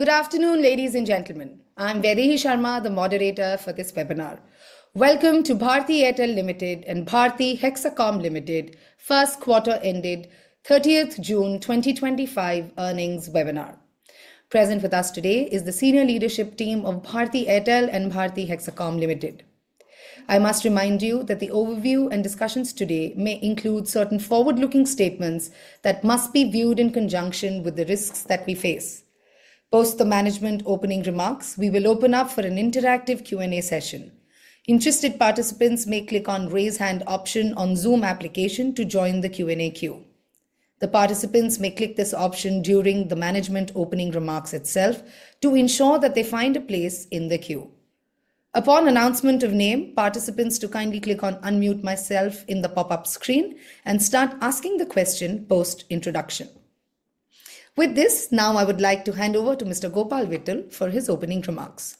Good afternoon ladies and gentlemen. I'm Vaidehi Sharma, the moderator for this webinar. Welcome to Bharti Airtel Limited and Bharti Hexacom Limited first quarter ended June 30, 2025, earnings webinar. Present with us today is the senior leadership team of Bharti Airtel and Bharti Hexacom Limited. I must remind you that the overview and discussions today may include certain forward-looking statements that must be viewed in conjunction with the risks that we face. Post the Management Opening Remarks, we will open up for an interactive Q&A session. Interested participants may click on the Raise Hand option on the Zoom application to join the Q&A queue. The participants may click this option during the Management Opening Remarks itself to ensure that they find a place in the queue. Upon announcement of name, participants to kindly click on Unmute Myself in the pop-up screen and start asking the question post introduction. With this, now I would like to hand over to Mr. Gopal Vittal for his opening remarks.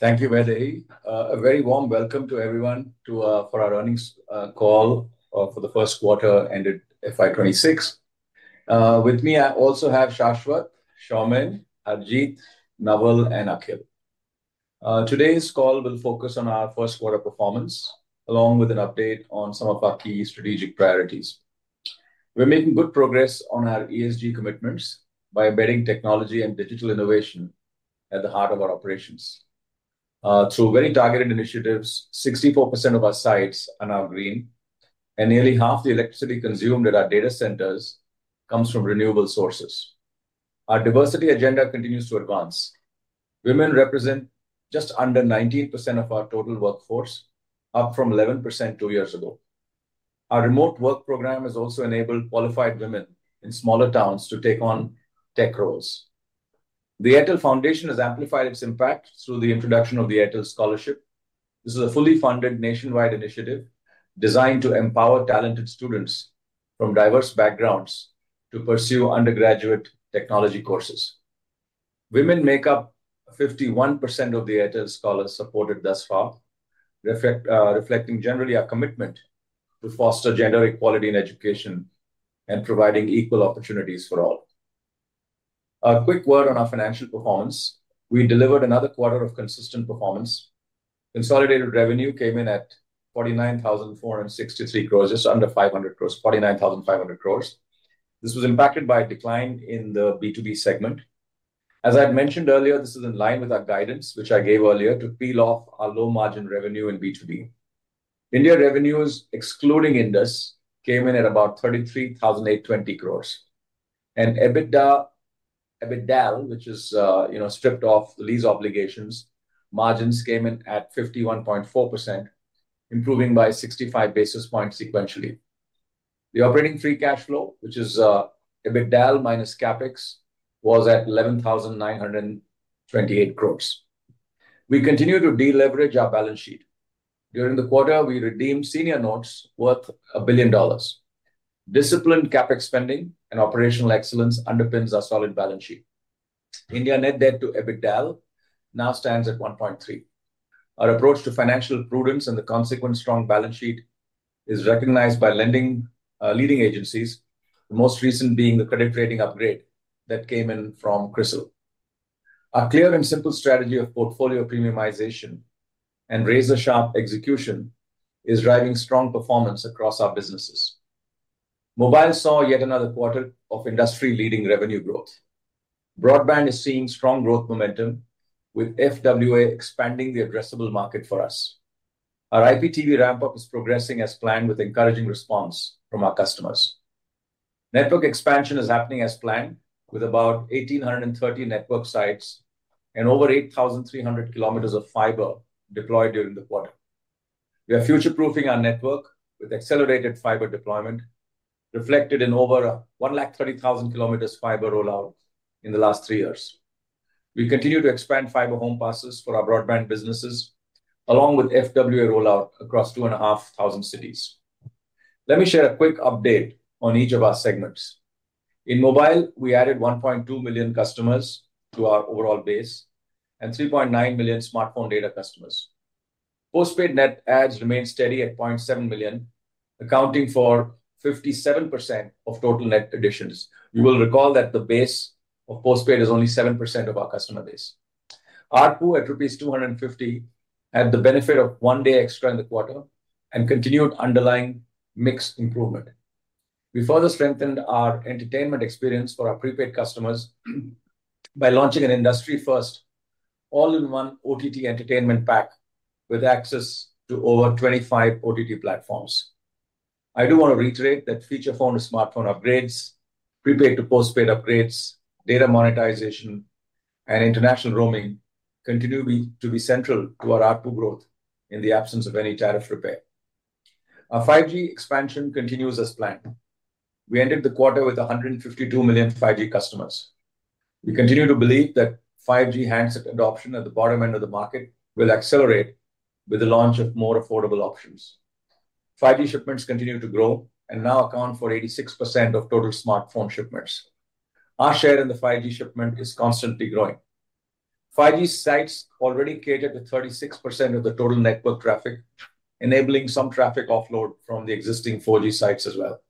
Thank you, Vaidehi. A very warm welcome to everyone for our earnings call for the first quarter ended FY 2026. With me, I also have Soumen Sharma, Arjit Naval, and Akhil. Today's call will focus on our first quarter performance along with an update on some of our key strategic priorities. We're making good progress on our ESG commitments by embedding technology and digital innovation at the heart of our operations through very targeted initiatives. 64% of our sites are now green, and nearly half the electricity consumed at our data centers comes from renewable sources. Our diversity agenda continues to advance. Women represent just under 19% of our total workforce, up from 11% two years ago. Our remote work program has also enabled qualified women in smaller towns to take on tech roles. The Airtel Foundation has amplified its impact through the introduction of the Airtel Scholarship. This is a fully funded nationwide initiative designed to empower talented students from diverse backgrounds to pursue undergraduate technology courses. Women make up 51% of the Airtel scholars supported thus far, reflecting generally our commitment to foster gender equality in education and providing equal opportunities for all. A quick word on our financial performance. We delivered another quarter of consistent performance. Consolidated revenue came in at 49,463 crore, just under 49,500 crore. This was impacted by a decline in the B2B segment as I had mentioned earlier. This is in line with our guidance, which I gave earlier, to peel off our low margin revenue in B2B. India revenues excluding Indus Towers came in at about 33,820 crore, and EBITDA, which is, you know, stripped off lease obligations. Margins came in at 51.4%, improving by 65 basis points sequentially. The operating free cash flow, which is EBITDA minus CapEx, was at 11,928 crore. We continue to deleverage our balance sheet. During the quarter, we redeemed senior notes worth $1 billion. Disciplined CapEx spending and operational excellence underpins our solid balance sheet in India. Net debt to EBITDA now stands at 1.3. Our approach to financial prudence and the consequent strong balance sheet is recognized by leading agencies, the most recent being the credit rating upgrade that came in from CRISIL. Our clear and simple strategy of portfolio premiumization and razor sharp execution is driving strong performance across our businesses. Mobile saw yet another quarter of industry leading revenue growth. Broadband is seeing strong growth momentum with FWA expanding the addressable market for us. Our IPTV ramp-up is progressing as planned with encouraging response from our customers. Network expansion is happening as planned with about 1,830 network sites and over 8,300 km of fiber deployed during the quarter. We are future-proofing our network with accelerated fiber deployment reflected in over 130,000 km fiber rollout in the last three years. We continue to expand fiber home passes for our broadband businesses along with FWA rollout across 2,500 cities. Let me share a quick update on each of our segments. In mobile, we added 1.2 million customers to our overall base and 3.9 million smartphone data customers. Postpaid net adds remain steady at 0.7 million, accounting for 57% of total net additions. You will recall that the base of postpaid is only 7% of our customer base. ARPU at rupees 250 had the benefit of one day extra in the quarter and continued underlying mix improvement. We further strengthened our entertainment experience for our prepaid customers by launching an industry-first all-in-one OTT entertainment pack with access to over 25 OTT platforms. I do want to reiterate that feature phone to smartphone upgrades, prepaid to postpaid upgrades, data monetization, and international roaming continue to be central to our ARPU growth. In the absence of any tariff repair, our 5G expansion continues as planned. We ended the quarter with 152 million 5G customers. We continue to believe that 5G handset adoption at the bottom end of the market will accelerate with the launch of more affordable options. 5G shipments continue to grow and now account for 86% of total smartphone shipments. Our share in the 5G shipment is constantly growing. 5G sites already cater to 36% of the total network traffic, enabling some traffic offload from the existing 4G sites as well.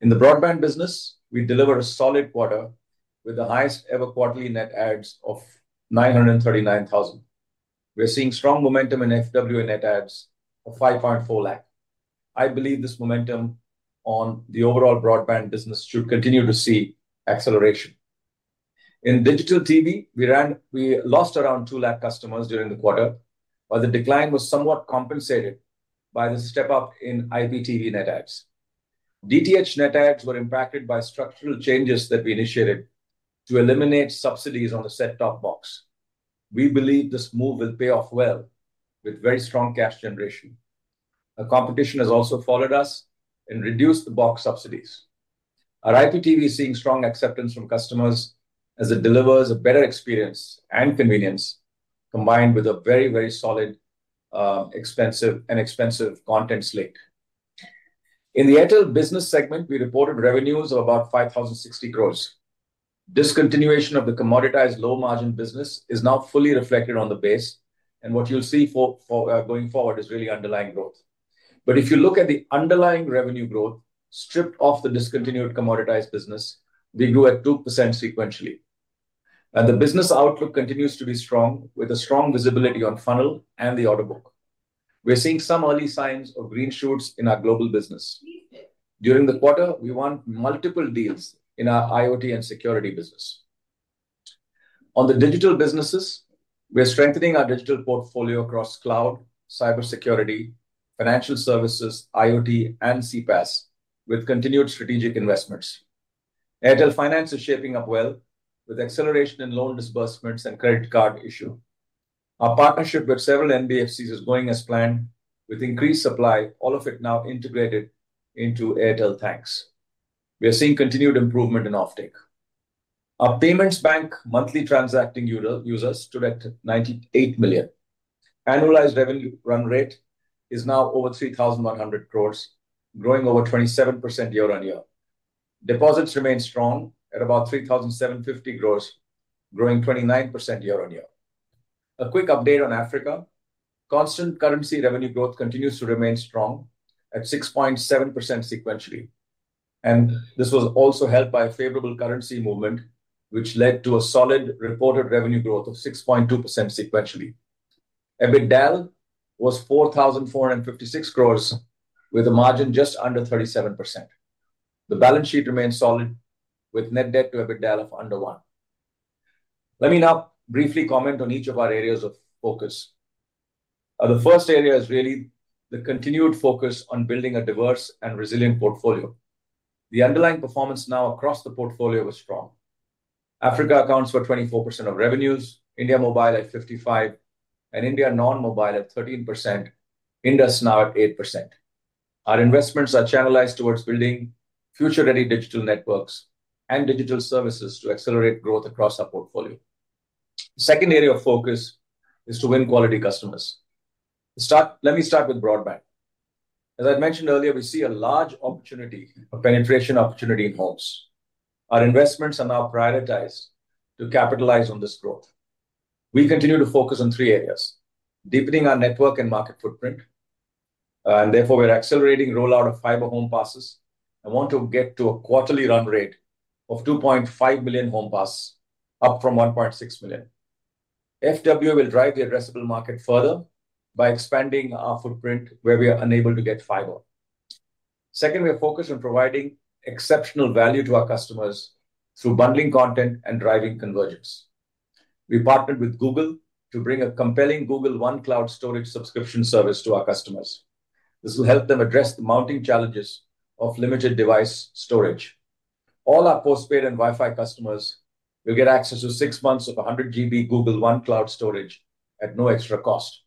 In the broadband business, we delivered a solid quarter with the highest ever quarterly net adds of 939,000. We're seeing strong momentum in FWA and net adds of 540,000. I believe this momentum on the overall broadband business should continue to see acceleration. In digital TV, we lost around 200,000 customers during the quarter. While the decline was somewhat compensated by the step up in IBTV net adds, DTH net adds were impacted by structural changes that we initiated to eliminate subsidies on the set-top box. We believe this move will pay off well with very strong cash generation. The competition has also followed us and reduced the box subsidies. Our IPTV is seeing strong acceptance from customers as it delivers a better experience and convenience combined with a very, very solid, expensive, and expansive content slick. In the Airtel business segment, we reported revenues of about 5,060 crores. Discontinuation of the commoditized low-margin business is now fully reflected on the base, and what you'll see going forward is really underlying growth. If you look at the underlying revenue growth stripped off the discontinued commoditized business, we grew at 2% sequentially, and the business outlook continues to be strong with a strong visibility on funnel and the order book. We're seeing some early signs of green shoots in our global business. During the quarter, we won multiple deals in our IoT and security business. On the digital businesses, we're strengthening our digital portfolio across cloud, cybersecurity, financial services, IoT, and CPaaS. With continued strategic investments, Airtel Finance is shaping up well with acceleration in loan disbursements and credit card issue. Our partnership with several NBFCs is going as planned with increased supply, all of it now integrated into Airtel Thanks. We are seeing continued improvement in offtake. Our payments bank monthly transacting users stood at 98 million. Annualized revenue run rate is now over 3,100 crores, growing over 27% year on year. Deposits remain strong at about 3,750 crores, growing 29% year on year. A quick update on Africa: constant currency revenue growth continues to remain strong at 6.7% sequentially, and this was also helped by a favorable currency movement, which led to a solid reported revenue growth of 6.2% sequentially. EBITDAL was 4,456 crores with a margin just under 37%. The balance sheet remains solid with net debt to EBITDA of under 1. Let me now briefly comment on each of our areas of focus. The first area is really the continued focus on building a diverse and resilient portfolio. The underlying performance now across the portfolio was strong. Africa accounts for 24% of revenues, India mobile at 55%, and India non-mobile at 13%, Indus now at 8%. In Africa, our investments are channelized towards building future-ready digital networks and digital services to accelerate growth across our portfolio. The second area of focus is to win quality customers. Let me start with broadband. As I mentioned earlier, we see a large opportunity, a penetration opportunity in homes. Our investments are now prioritized to capitalize on this growth. We continue to focus on three areas: deepening our network and market footprint, and therefore we're accelerating rollout of fiber home passes and want to get to a quarterly run rate of 2.5 million home passes, up from 1.6 million. FW will drive the addressable market further by expanding our footprint where we are unable to get fiber. Second, we are focused on providing exceptional value to our customers through bundling content and driving convergence. We partnered with Google to bring a compelling Google One cloud storage subscription service to our customers. This will help them address the mounting challenges of limited device storage. All our postpaid and Wi-Fi customers will get access to 6 months of 100 GB Google One Cloud Storage at no extra cost.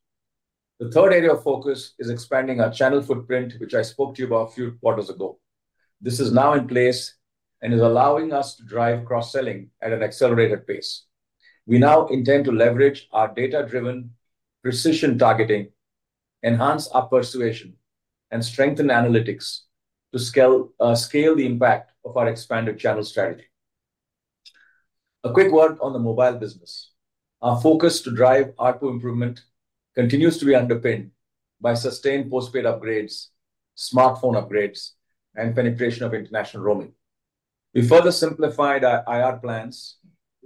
The third area of focus is expanding our channel footprint, which I spoke to you about a few quarters ago. This is now in place and is allowing us to drive cross-selling at an accelerated pace. We now intend to leverage our data-driven precision targeting, enhance our persuasion, and strengthen analytics to scale the impact of our expanded channel strategy. A quick word on the mobile business: our focus to drive ARPU improvement continues to be underpinned by sustained postpaid upgrades, smartphone upgrades, and penetration of international roaming. We further simplified our IR plans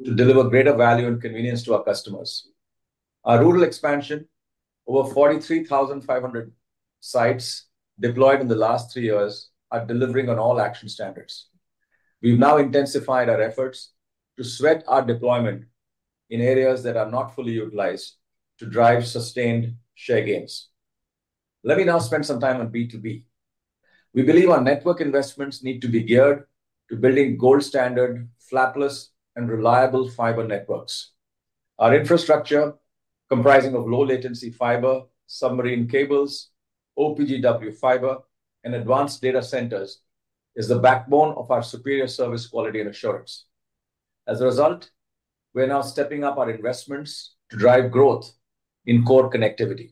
to deliver greater value and convenience to our customers. Our rural expansion, over 43,500 sites deployed in the last three years, are delivering on all action standards. We've now intensified our efforts to sweat our deployment in areas that are not fully utilized to drive sustained share gains. Let me now spend some time on B2B. We believe our network investments need to be geared to building gold standard, flapless, and reliable fiber networks. Our infrastructure, comprising of low latency fiber, submarine cables, OPGW fiber, and advanced data centers, is the backbone of our superior service, quality, and assurance. As a result, we're now stepping up our investments to drive growth in core connectivity.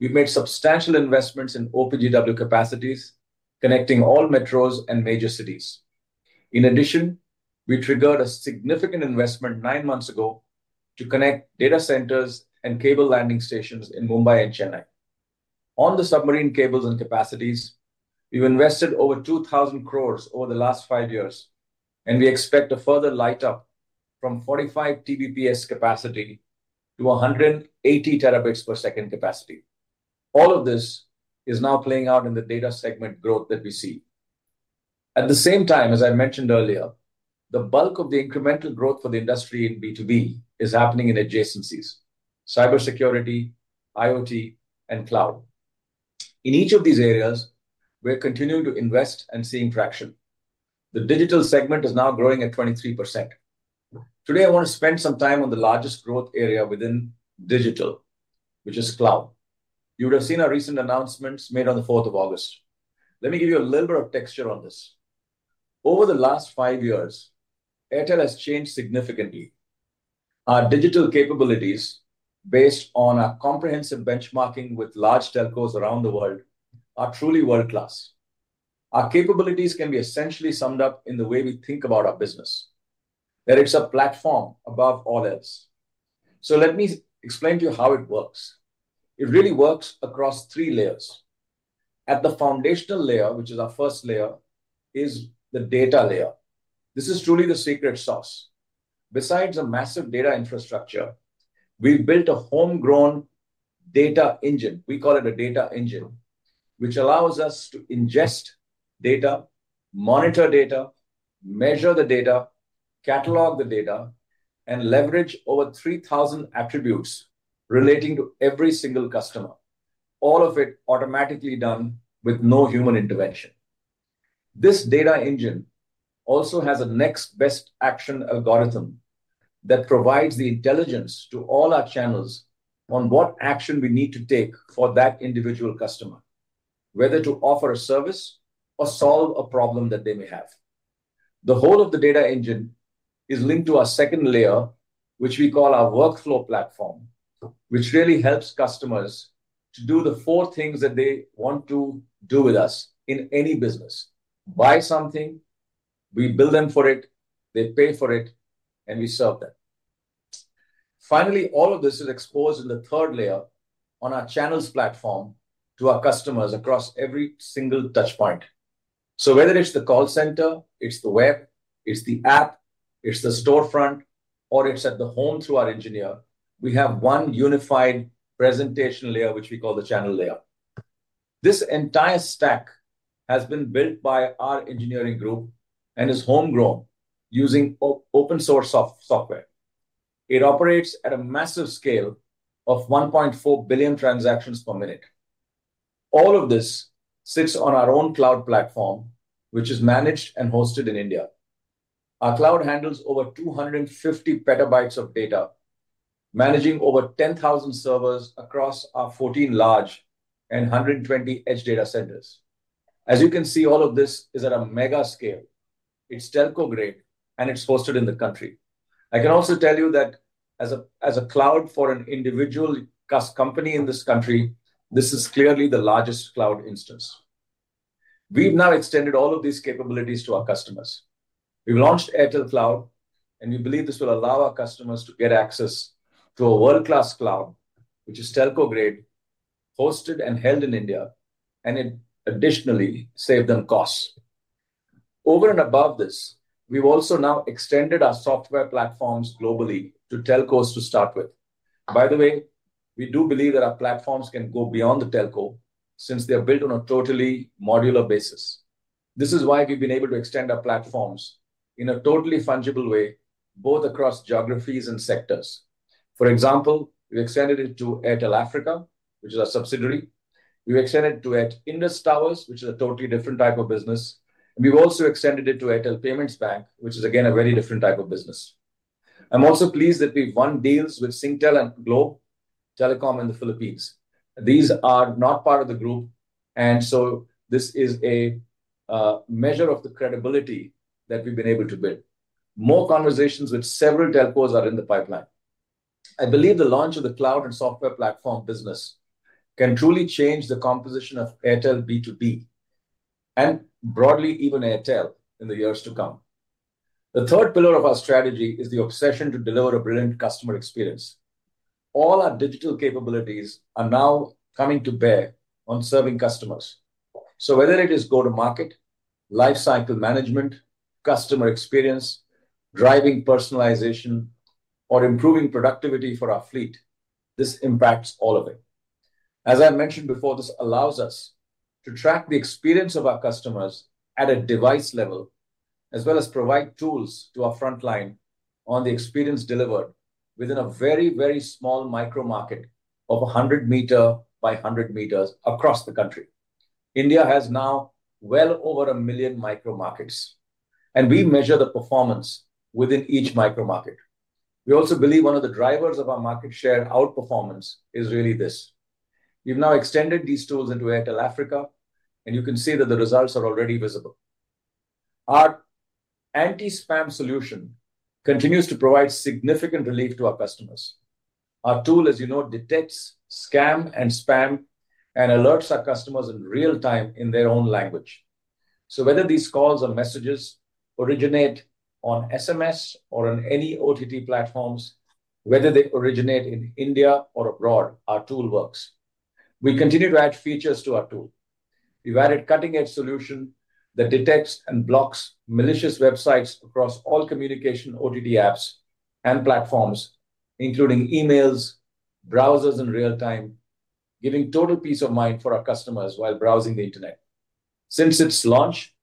We've made substantial investments in OPGW capacities connecting all metros and major cities. In addition, we triggered a significant investment nine months ago to connect data centers and cable landing stations in Mumbai and Chennai. On the submarine cables and capacities. We've invested over 2,000 crore over the last five years and we expect a further light up from 45 Tbps capacity to 180 terabits per second capacity. All of this is now playing out in the data segment growth that we see. At the same time, as I mentioned earlier, the bulk of the incremental growth for the industry in B2B is happening in adjacencies, cybersecurity, IoT, and cloud. In each of these areas, we're continuing to invest and seeing traction. The digital segment is now growing at 23%. Today, I want to spend some time on the largest growth area within digital, which is cloud. You would have seen our recent announcements made on the 4th of August. Let me give you a little bit of texture on this. Over the last five years, Bharti Airtel has changed significantly. Our digital capabilities, based on our comprehensive benchmarking with large telcos around the world, are truly world class. Our capabilities can be essentially summed up in the way we think about our business, that it's a platform above all else. Let me explain to you how it works. It really works across three layers. At the foundational layer, which is our first layer, is the data layer. This is truly the secret sauce. Besides a massive data infrastructure, we've built a homegrown data engine. We call it a data engine, which allows us to ingest data, monitor data, measure the data, catalog the data, and leverage over 3,000 attributes relating to every single customer. All of it automatically done with no human intervention. This data engine also has a next best action algorithm that provides the intelligence to all our channels on what action we need to take for that individual customer, whether to offer a service or solve a problem that they may have. The whole of the data engine is linked to our second layer, which we call our workflow platform, which really helps customers to do the four things that they want to do with us in any business. One, buy something. We bill them for it, they pay for it, and we serve them. Finally, all of this is exposed in the third layer on our channels platform to our customers across every single touch point. Whether it's the call center, it's the web, it's the app, it's the storefront, or it's at the home, through our engineer, we have one unified presentation layer, which we call the channel layer. This entire stack has been built by our engineering group and is homegrown using open source software. It operates at a massive scale of 1.4 billion transactions per minute. All of this sits on our own cloud platform which is managed and hosted in India. Our cloud handles over 250 petabytes of data, managing over 10,000 servers across our 14 large and 120 edge data centers. As you can see, all of this is at a mega scale. It's telco grade and it's hosted in the country. I can also tell you that as a cloud for an individual company in this country, this is clearly the largest cloud instance. We've now extended all of these capabilities to our customers. We've launched Airtel Cloud and we believe this will allow our customers to get access to a world-class cloud which is telco grade, hosted and held in India, and it additionally saved on costs over and above this. We've also now extended our software platforms globally to telcos to start with. By the way, we do believe that our platforms can go beyond the telco since they're built on a totally modular basis. This is why we've been able to extend our platforms in a totally fungible way both across geographies and sectors. For example, we've extended it to Airtel Africa which is a subsidiary. We extended to Indus Towers which is a totally different type of business. We've also extended it to Airtel Payments Bank which is again a very different type of business. I'm also pleased that we won deals with Singtel and Globe Telecom in the Philippines. These are not part of the group and this is a measure of the credibility that we've been able to build. More conversations with several telcos are in the pipeline. I believe the launch of the cloud and software platform business can truly change the composition of Airtel B2B and broadly even Airtel in the years to come. The third pillar of our strategy is the obsession to deliver a brilliant customer experience. All our digital capabilities are now coming to bear on serving customers. Whether it is go to market, life cycle management, customer experience, driving personalization, or improving productivity for our fleet, this impacts all of it. As I mentioned before, this allows us to track the experience of our customers at a device level as well as provide tools to our frontline on the experience delivered within a very, very small micro market of 100 meter by 100 meters across the country. India has now well over a million micro markets, and we measure the performance within each micro market. We also believe one of the drivers of our market share outperformance is really this. We've now extended these tools into Airtel Africa, and you can see that the results are already visible. Our anti spam solution continues to provide significant relief to our customers. Our tool, as you know, detects scam and spam and alerts our customers in real time in their own language. Whether these calls or messages originate on SMS or on any OTT platforms, whether they originate in India or abroad, our tool works. We continue to add features to our tool. We've added cutting edge solution that detects and blocks malicious websites across all communication OTT apps and platforms, including emails and browsers, in real time, giving total peace of mind for our customers while browsing the Internet. Since its launch,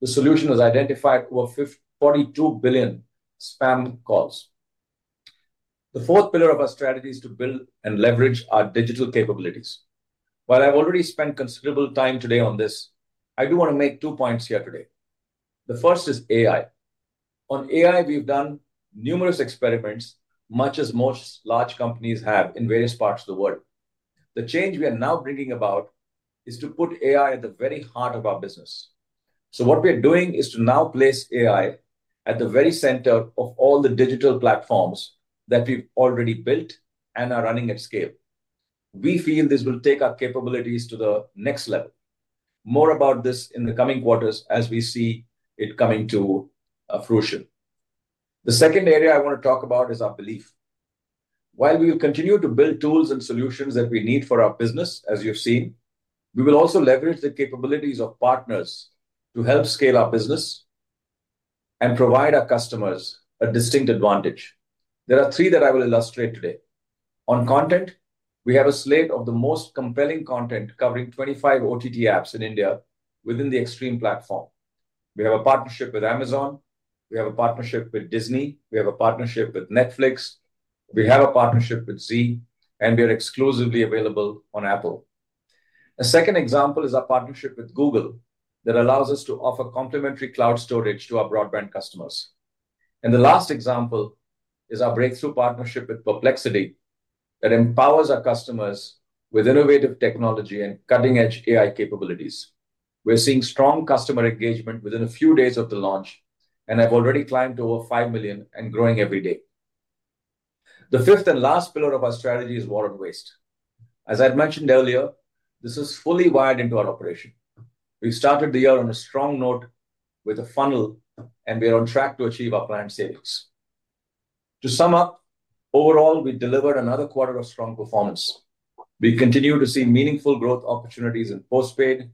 the solution has identified over 42 billion spam calls. The fourth pillar of our strategy is to build and leverage our digital capabilities. While I've already spent considerable time today on this, I do want to make two points here today. The first is AI. On AI, we've done numerous experiments, much as most large companies have in various parts of the world. The change we are now bringing about is to put AI at the very heart of our business. What we're doing is to now place AI at the very center of all the digital platforms that we've already built and are running at scale. We feel this will take our capabilities to the next level. More about this in the coming quarters as we see it coming to fruition. The second area I want to talk about is our belief. While we will continue to build tools and solutions that we need for our business, as you've seen, we will also leverage the capabilities of partners to help scale our business and provide our customers a distinct advantage. There are three that I will illustrate today. On content, we have a slate of the most compelling content covering 25 OTT apps in India. Within the Xstream platform, we have a partnership with Amazon, we have a partnership with Disney, we have a partnership with Netflix, we have a partnership with Zee, and we are exclusively available. A second example is our partnership with Google that allows us to offer complementary cloud storage to our broadband customers. The last example is our breakthrough partnership with Perplexity that empowers our customers with innovative technology and cutting-edge AI capabilities. We're seeing strong customer engagement within a few days of the launch and have already climbed to over 5 million and growing every day. The fifth and last pillar of our strategy is war on waste. As I mentioned earlier, this is fully wired into our operation. We started the year on a strong note with a funnel and we are on track to achieve our planned savings. To sum up overall, we delivered another quarter of strong performance. We continue to see meaningful growth opportunities in postpaid,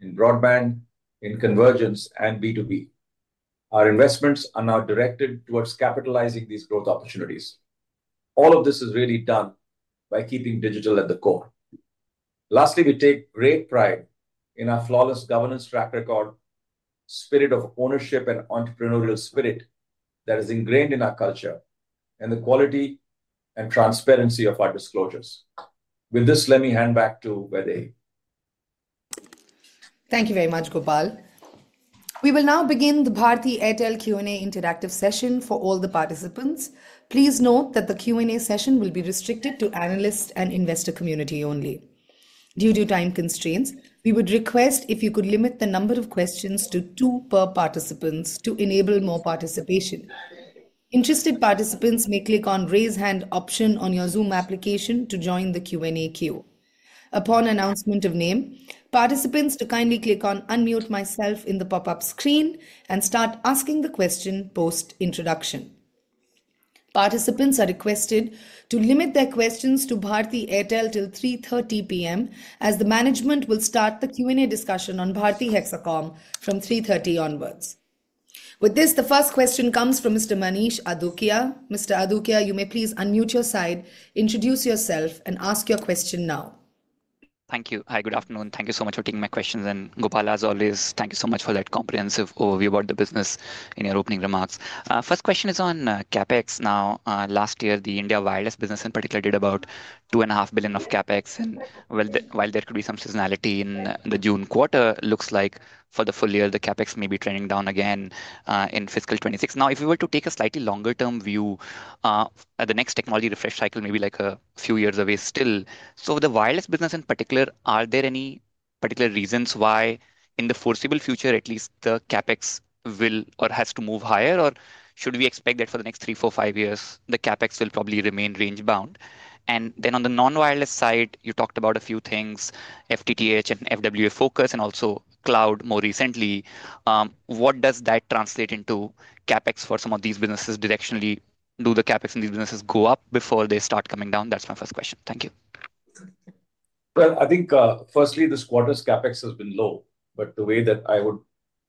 in broadband, in convergence, and B2B. Our investments are now directed towards capitalizing on these growth opportunities. All of this is really done by keeping digital at the core. Lastly, we take great pride in our flawless governance, track record, spirit of ownership, and entrepreneurial spirit that is ingrained in our culture and the quality and transparency of our disclosures. With this, let me hand back to Vaidehi. Thank you very much, Gopal. We will now begin the Bharti Airtel Q&A interactive session for all the participants. Please note that the Q&A session will be restricted to analysts and investor community only due to time constraints. We would request if you could limit the number of questions to two per participant to enable more participation. Interested participants may click on the Raise hand option on your Zoom application to join the Q&A queue. Upon announcement of name, participants to kindly click on Unmute myself in the pop-up screen and start asking the question. Post introduction, participants are requested to limit their questions to Bharti Airtel till 3:30 P.M. as the management will start the Q&A discussion on Bharti Hexacom from 3:30 P.M. onwards. With this, the first question comes from Mr. Manish Adukia. Mr. Adukia, you may please unmute your side, introduce yourself, and ask your question now. Thank you. Hi, good afternoon. Thank you so much for taking my questions. Gopal, as always, thank you so much for that comprehensive overview about the business in your opening remarks. First question is on CapEx. Last year the India wireless business in particular did about $2.5 billion of CapEx, and while there could be some seasonality in the June quarter, it looks like for the full year the CapEx may be trending down again in fiscal 2026. If we were to take a slightly longer term view, the next technology refresh cycle may be a few years away still. The wireless business in particular, are there any particular reasons why in the foreseeable future at least the CapEx will or has to move higher? Should we expect that for the next 3, 4, 5 years the CapEx will probably remain range bound? On the non-wireless side, you talked about a few things: FTTH and FWA focus and also Cloud more recently. What does that translate into CapEx for some of these businesses directionally? Do the CapEx in these businesses go up before they start coming down? That's my first question. Thank you. I think firstly this quarter's CapEx has been low, but the way that I would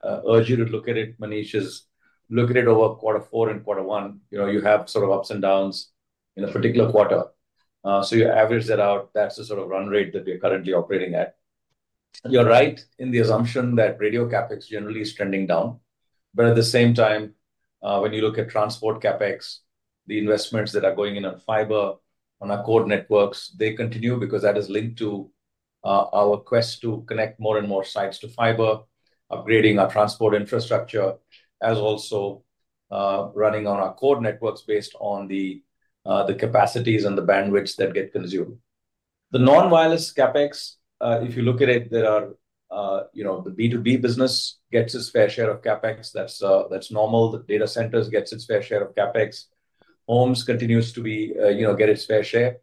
urge you to look at it, Manish, is look at it over quarter four and quarter one. You know you have sort of ups and downs in a particular quarter, so you average that out. That's the sort of run rate that we're currently operating at. You're right in the assumption that radio CapEx generally is trending down. At the same time, when you look at transport CapEx, the investments that are going in on fiber on our core networks, they continue because that is linked to our quest to connect more and more sites to fiber. Upgrading our transport infrastructure as also running on our core networks is based on the capacities and the bandwidths that get consumed. The non-wireless CapEx, if you look at it, the B2B business gets its fair share of CapEx. That's normal. Data centers get their fair share of CapEx. Homes continues to get its fair share.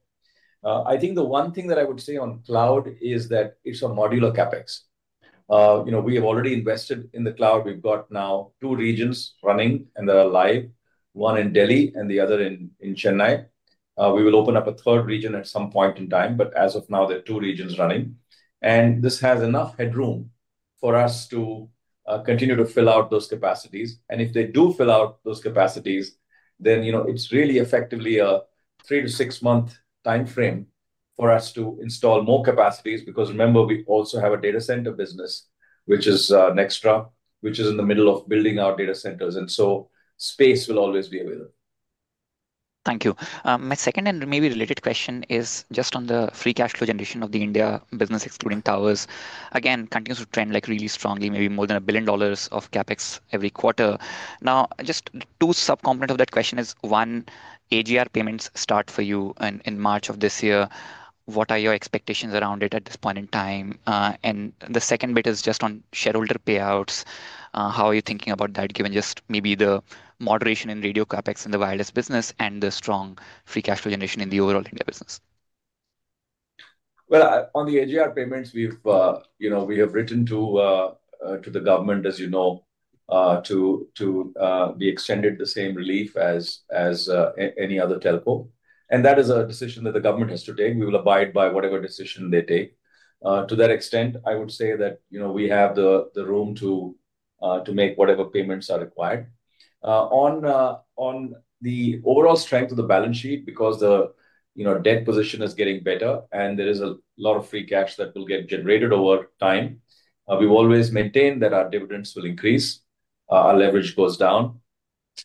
I think the one thing that I would say on cloud is that it's a modular CapEx. We have already invested in the cloud. We've got now two regions running and they're alive, one in Delhi and the other in Chennai. We will open up a third region at some point in time, but as of now there are two regions running and this has enough headroom for us to continue to fill out those capacities, and if they do fill out those capacities, then it's really effectively a three to six month time frame for us to install more capacities. Remember we also have a data center business, which is Nextra, which is in the middle of building our data centers, and so space will always be available. Thank you. My second and maybe related question is just on the free cash flow generation of the India business excluding towers. Again, continuous trend really strongly, maybe more than $1 billion of CapEx every quarter. Now just two subcomponents of that question. One, AGR payments start for you in March of this year. What are your expectations around it at this point in time? The second bit is just on shareholder payouts. How are you thinking about that given just maybe the moderation in radio CapEx in the wireless business and the strong free cash flow generation in the overall India business? On the AGR payments, we have written to the government, as you know, to be extended the same relief as any other telco, and that is a decision that the government has to take. We will abide by whatever decision they take. To that extent, I would say that we have the room to make whatever payments are required on the overall strength of the balance sheet because the debt position is getting better, and there is a lot of free cash that will get generated over time. We've always maintained that our dividends will increase, our leverage goes down,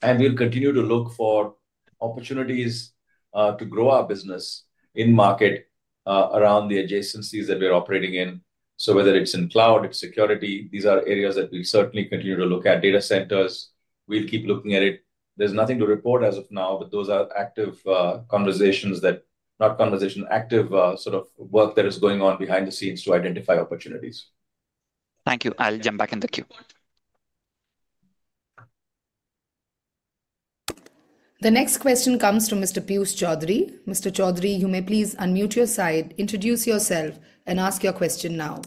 and we'll continue to look for opportunities to grow our business in market around the adjacencies that we're operating in. Whether it's in cloud, it's security, these are areas that we certainly continue to look at. Data centers, we'll keep looking at it. There's nothing to report as of now, but those are active conversations, not conversation, active sort of work that is going on behind the scenes to identify opportunities. Thank you. I'll jump back in the queue. The next question comes from Mr. Piyush Choudhary. Mr. Choudhary, you may please unmute your side, introduce yourself, and ask your question now.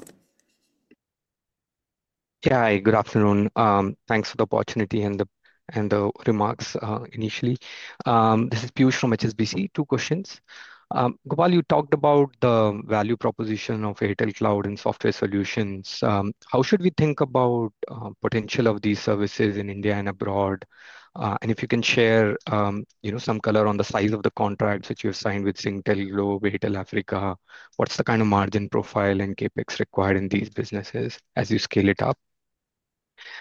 Yeah, good afternoon. Thanks for the opportunity and the remarks initially. This is Piyush from HSBC. Two questions. Gopal, you talked about the value proposition of Airtel Cloud and software solutions. How should we think about potential of these services in India and abroad? If you can share some color on the size of the contracts that you've signed with Singtel, Globe, Africa, what's the kind of margin profile and CapEx required in these businesses as you scale it up?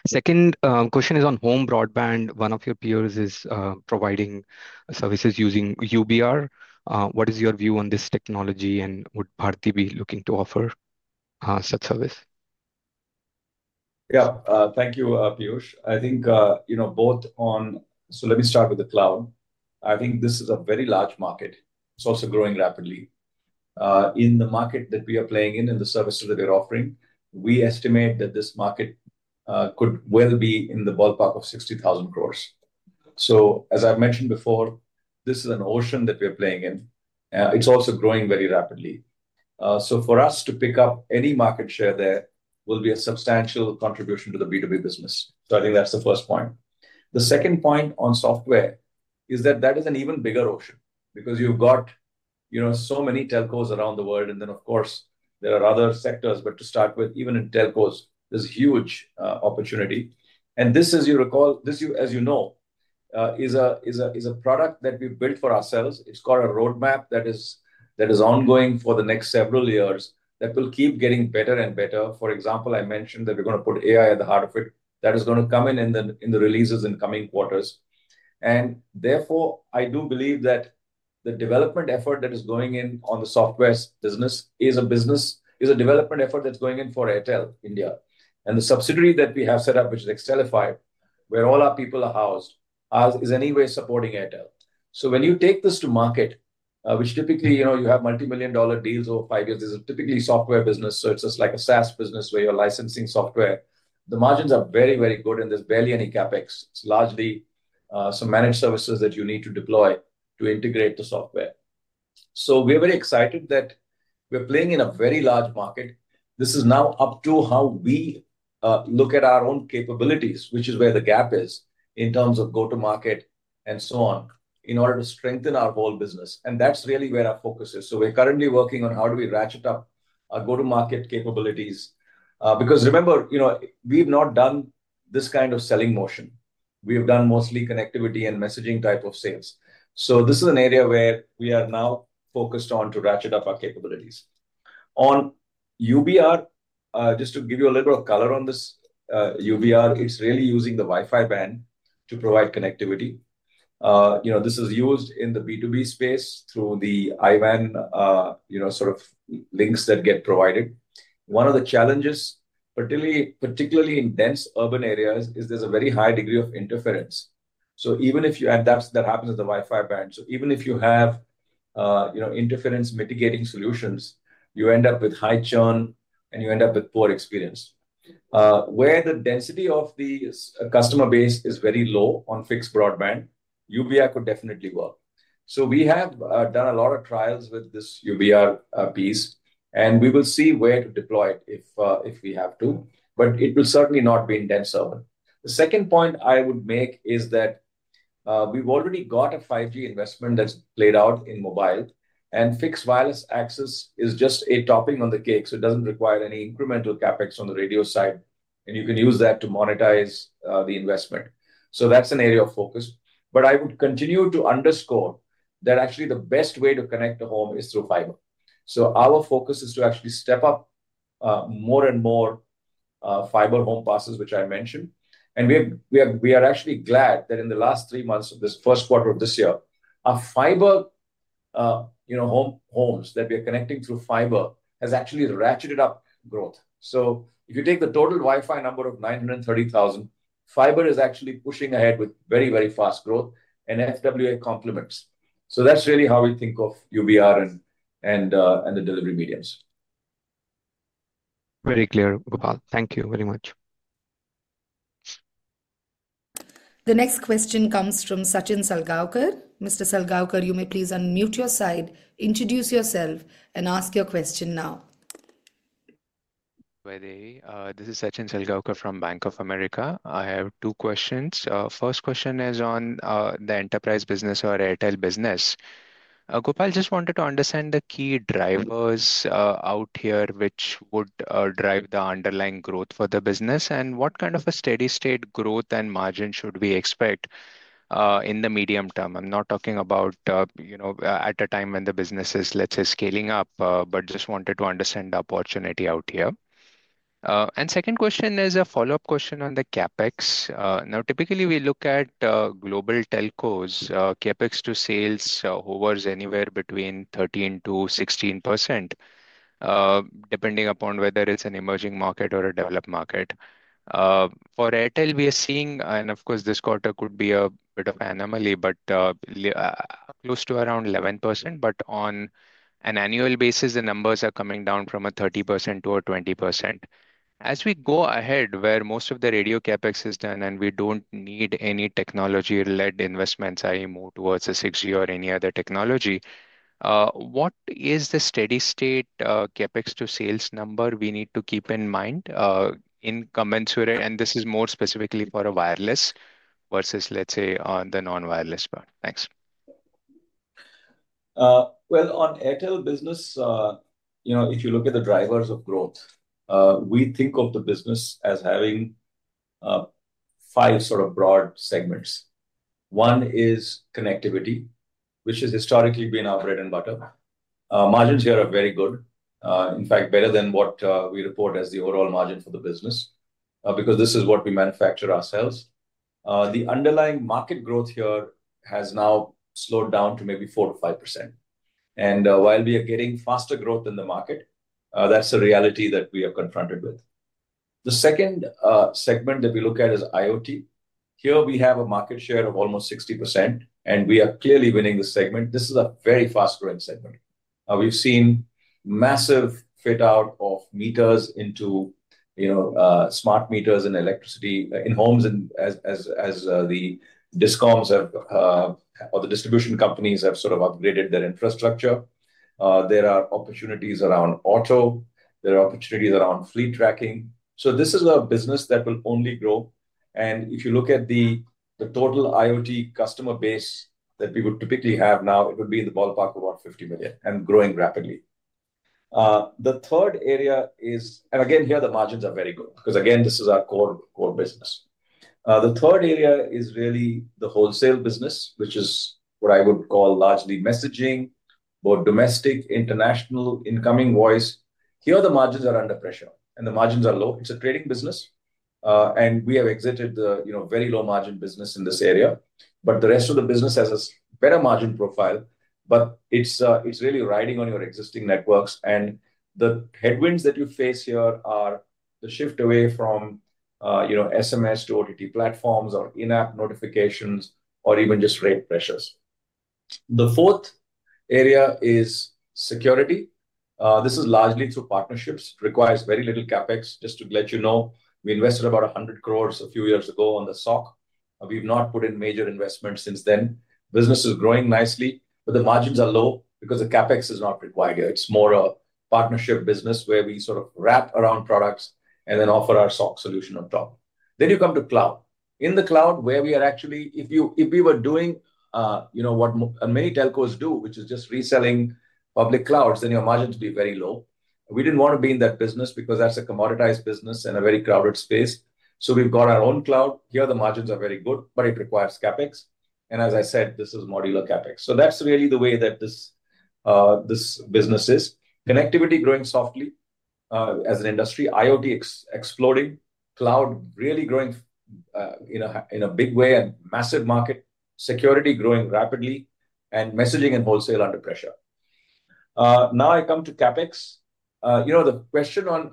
Second question is on home broadband. One of your peers is providing services using UBR. What is your view on this technology and would Bharti Airtel be looking to offer such service? Yeah. Thank you, Piyush. I think, you know, both on. Let me start with the cloud. I think this is a very large market. It's also growing rapidly in the market that we are playing in and the services that we're offering. We estimate that this market could well be in the ballpark of 60,000 crores. As I've mentioned before, this is an ocean that we're playing in. It's also growing very rapidly. For us to pick up any market share, there will be a substantial contribution to the B2B business. I think that's the first point. The second point on software is that that is an even bigger ocean because you've got so many telcos around the world and then of course there are other sectors. To start with, even in telcos, there's a huge opportunity. This, as you recall, as you know, is a product that we built for ourselves. It's called a roadmap. That is ongoing for the next several years. That will keep getting better and better. For example, I mentioned that we're going to put AI at the heart of it. That is going to come in the releases in coming quarters and therefore I do believe that the development effort that is going in on the software business is a development effort that's going in for Bharti Airtel India. The subsidiary that we have set up, which is Xtelify, where all our people are housed, is anyway supporting Bharti Airtel. When you take this to market, which typically, you know, you have multimillion dollar deals over five years, this is typically software business. It's just like a SaaS business where you're licensing software. The margins are very, very good and there's barely any CapEx. It's largely some managed services that you need to deploy to integrate the software. We are very excited that we're playing in a very large market. This is now up to how we look at our own capabilities, which is where the gap is in terms of go to market and so on in order to strengthen our whole business. That's really where our focus is. We're currently working on how do we ratchet up our go to market capabilities because remember, we've not done this kind of selling motion. We have done mostly connectivity and messaging type of sales. This is an area where we are now focused on to ratchet up our capabilities on UBR. Just to give you a little bit of color on this UBR, it's really using the Wi-Fi band to provide connectivity. This is used in the B2B space through the Ivan, you know, sort of links that get provided. One of the challenges, particularly in dense urban areas, is there's a very high degree of interference. Even if you have interference mitigating solutions, you end up with high churn and you end up with poor experience where the density of the customer base is very low. On fixed broadband, UBI could definitely work. We have done a lot of trials with this UBR piece and we will see where to deploy it if we have to, but it will certainly not be in dense server. The second point I would make is that we've already got a 5G investment that's laid out in mobile and fixed wireless access is just a topping on the cake. It doesn't require any incremental CapEx on the radio side and you can use that to monetize the investment. That's an area of focus. I would continue to underscore that actually the best way to connect a home is through fiber. Our focus is to actually step up more and more fiber home passes, which I mentioned. We are actually glad that in the last three months of this first quarter of this year, our fiber homes that we are connecting through fiber has actually ratcheted up growth. If you take the total Wi-Fi number of 930,000, fiber is actually pushing ahead with very, very fast growth and FWA complements. That's really how we think of UBR and the delivery mediums. Very clear. Gopal, thank you very much. The next question comes from Sachin Salgaonkar. Mr. Salgaonkar, you may please unmute your side, introduce yourself, and ask your question now. This is Sachin Salgaonkar from Bank of America. I have two questions. First question is on the enterprise business or Airtel business. Gopal, just wanted to understand the key drivers out here which would drive the underlying growth for the business and what kind of a steady state growth and margin should we expect in the medium term. I'm not talking about at a time when the business is, let's say, scaling up, just wanted to understand the opportunity out here. Second question is a follow up question on the CapEx. Typically, we look at global telcos, CapEx to sales hovers anywhere between 13% to 16% depending upon whether it's an emerging market or a developed market. For Airtel, we are seeing, and of course this quarter could be a bit of an anomaly, but close to around 11%. On an annual basis, the numbers are coming down from 30% to 20% as we go ahead where most of the radio CapEx is done and we don't need any technology-led investments. If I move towards the 6G or any other technology, what is the steady state CapEx to sales number we need to keep in mind in commensurate, and this is more specifically for a wireless versus, let's say, the non-wireless part. Thanks. On Airtel business, if you look at the drivers of growth, we think of the business as having five sort of broad segments. One is connectivity, which has historically been our bread and butter. Margins here are very good, in fact better than what we report as the overall margin for the business because this is what we manufacture ourselves. The underlying market growth here has now slowed down to maybe 4 to 5% and while we are getting faster growth in the market, that's the reality that we are confronted with. The second segment that we look at is IoT. Here we have a market share of almost 60% and we are clearly winning the segment. This is a very fast growing segment. We've seen massive fit out of meters into smart meters and electricity in homes. As the discoms or the distribution companies have upgraded their infrastructure, there are opportunities around auto, there are opportunities around fleet tracking. This is a business that will only grow. If you look at the total IoT customer base that we would typically have now, it would be in the ballpark of about 50 million and growing rapidly. Again, here the margins are very good because this is our core business. The third area is really the wholesale business, which is what I would call largely messaging, both domestic, international, incoming, voice. Here the margins are under pressure and the margins are low. It's a trading business and we have exited the very low margin business in this area. The rest of the business has a better margin profile. It's really riding on your existing networks and the headwinds that you face here are the shift away from SMS to OTT platforms or in-app notifications or even just rate pressures. The fourth area is security. This is largely through partnerships. Requires very little CapEx. Just to let you know, we invested about 100 crore a few years ago on the SOC. We've not put in major investments since then. Business is growing nicely, but the margins are low because the CapEx is not required here. It's more a partnership business where we sort of wrap around products and then offer our SOC solution on top. You come to cloud. In the cloud, if we were doing what many telcos do, which is just reselling public clouds, then your margins would be very low. We didn't want to be in that business because that's a commoditized business and a very crowded space. We've got our own cloud here. The margins are very good, but it requires CapEx and as I said, this is modular CapEx. That's really the way that this business is. Connectivity growing softly as an industry, IoT exploding, cloud really growing in a big way and massive market, security growing rapidly, and messaging and wholesale under pressure. Now I come to CapEx. The question on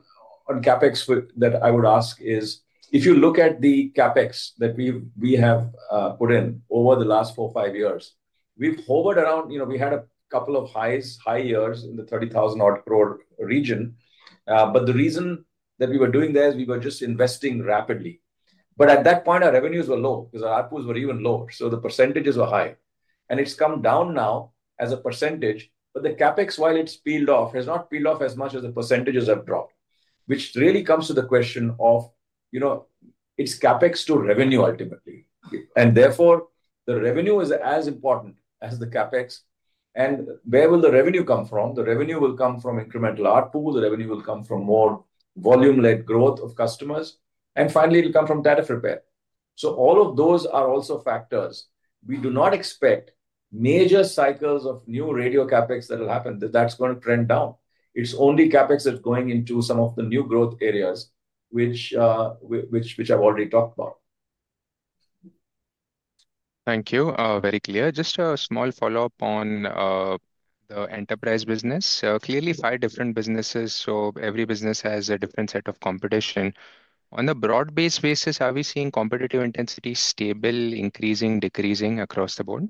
CapEx that I would ask is if you look at the CapEx that we have put in over the last four, five years, we've hovered around. We had a couple of high years in the 30,000 crore region. The reason that we were doing that is we were just investing rapidly, but at that point our revenues were low because our ARPUs were even lower. The percentages were high and it's come down now as a percentage. The CapEx, while it's peeled off, has not peeled off as much as the percentages have dropped. Which really comes to the question of, you know, it's CapEx to revenue ultimately and therefore the revenue is as important as the CapEx and where will the revenue come from? The revenue will come from incremental ARPU. The revenue will come from more volume-led growth of customers and finally it'll come from tariff repair. All of those are also factors. We do not expect major cycles of new radio CapEx that will happen. That's going to trend down. It's only CapEx that's going into some of the new growth areas which I've already talked about. Thank you. Very clear. Just a small follow up on the enterprise business. Clearly five different businesses. Every business has a different set of competition on a broad based basis. Are we seeing competitive intensity stable, increasing, decreasing across the board?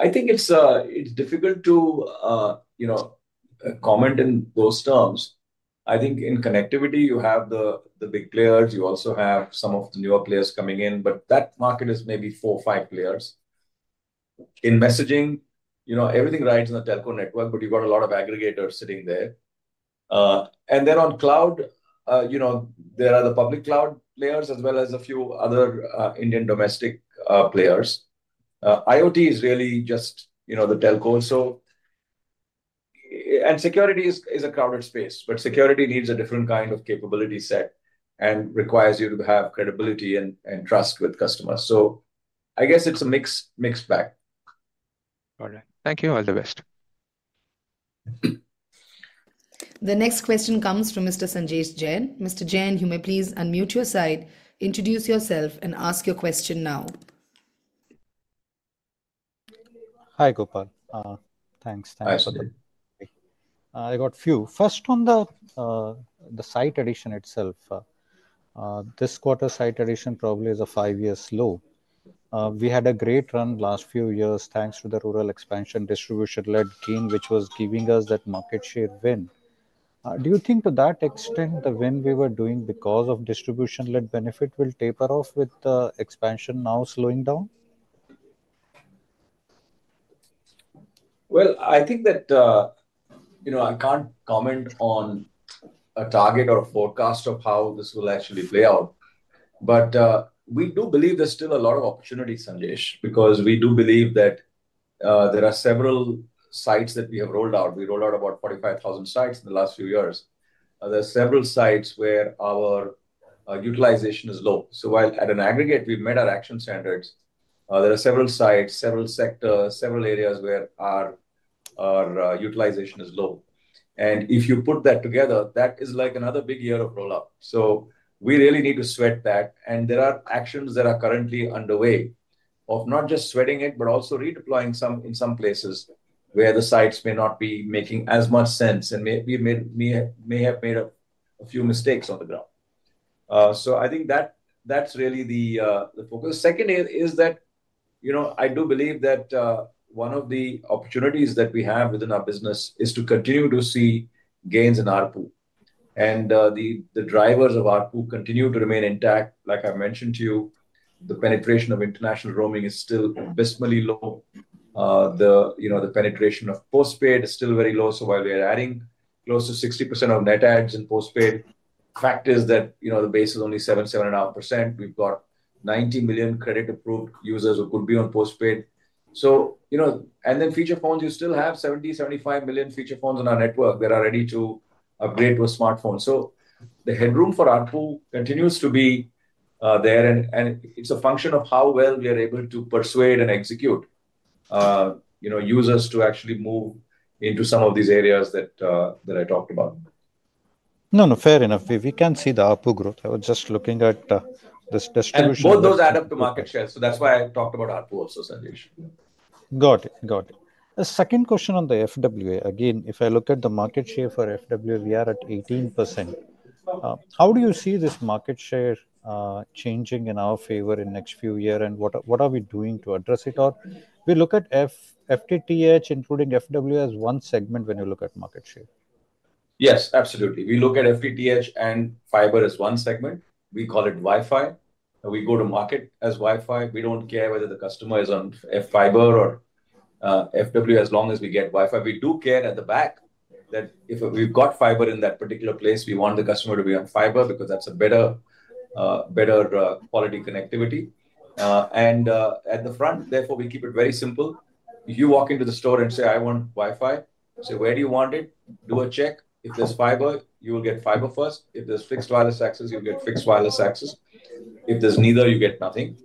I think it's difficult to comment in those terms. I think in connectivity you have the big players, you also have some of the newer players coming in, but that market is maybe four or five players. In messaging, everything rides in the telco network, but you've got a lot of aggregators sitting there. On cloud, there are the public cloud players as well as a few other Indian domestic players. IoT is really just the telco, and security is a crowded space, but security needs a different kind of capability set and requires you to have credibility and trust with customers. I guess it's a mixed bag. All right, thank you. All the best. The next question comes from Mr. Sanjesh Jain. Mr. Jain, you may please unmute your side, introduce yourself, and ask your question now. Hi Gopal. Thanks. I got few first on the site edition itself this quarter. Site edition probably is a five year slow. We had a great run last few years thanks to the rural expansion distribution led gain which was giving us that market share win. Do you think to that extent when we were doing because of distribution led benefit will taper off with the expansion now slowing down? I think that you know I can't comment on a target or forecast of how this will actually play out, but we do believe there's still a lot of opportunity, Sanjesh. We do believe that there are several sites that we have rolled out. We rolled out about 45,000 sites in the last few years. There are several sites where our utilization is low. While at an aggregate we've met our action standards, there are several sites, several sectors, several areas where our utilization is low. If you put that together, that is like another big year of rollout. We really need to sweat that. There are actions that are currently underway of not just sweating it, but also redeploying in some places where the sites may not be making as much sense and we may have made a few mistakes on the ground. I think that's really the focus. Second, I do believe that one of the opportunities that we have within our business is to continue to see gains in ARPU and the drivers of ARPU continue to remain intact. Like I mentioned to you, the penetration of international roaming is still abysmally low. The penetration of postpaid is still very low. While we are adding close to 60% of net ads in postpaid, fact is that the base is only 7, 7.5%. We've got 90 million credit approved users who could be on postpaid. You know, and then feature phones, you still have 70, 75 million feature phones on our network that are ready to upgrade to a smartphone. The headroom for ARPU continues to be there and it's a function of how well we are able to persuade and execute users to actually move into some of these areas that I talked about. No, fair enough. We can see the ARPU growth. I was just looking at this distribution. Both those add up to market share. That’s why I talked about ARPU also. Got it, got it. The second question on the FWA, again, if I look at the market share for FWA, we are at 18%. How do you see this market share changing in our favor in the next few years and what are we doing to address it? We look at FTTH including FWA as one segment. When you look at market share, yes, absolutely. We look at FTTH and fiber as one segment. We call it Wi-Fi. We go to market as Wi-Fi. We don't care whether the customer is on fiber or FW as long as we get Wi-Fi. We do care at the back that if we've got fiber in that particular place, we want the customer to be on fiber because that's a better, better quality connectivity. At the front, therefore, we keep it very simple. You walk into the store and say, I want Wi-Fi. Say where do you want it? Do a check. If there's fiber, you will get fiber first. If there's fixed wireless access, you'll get fixed wireless access. If there's neither, you get nothing.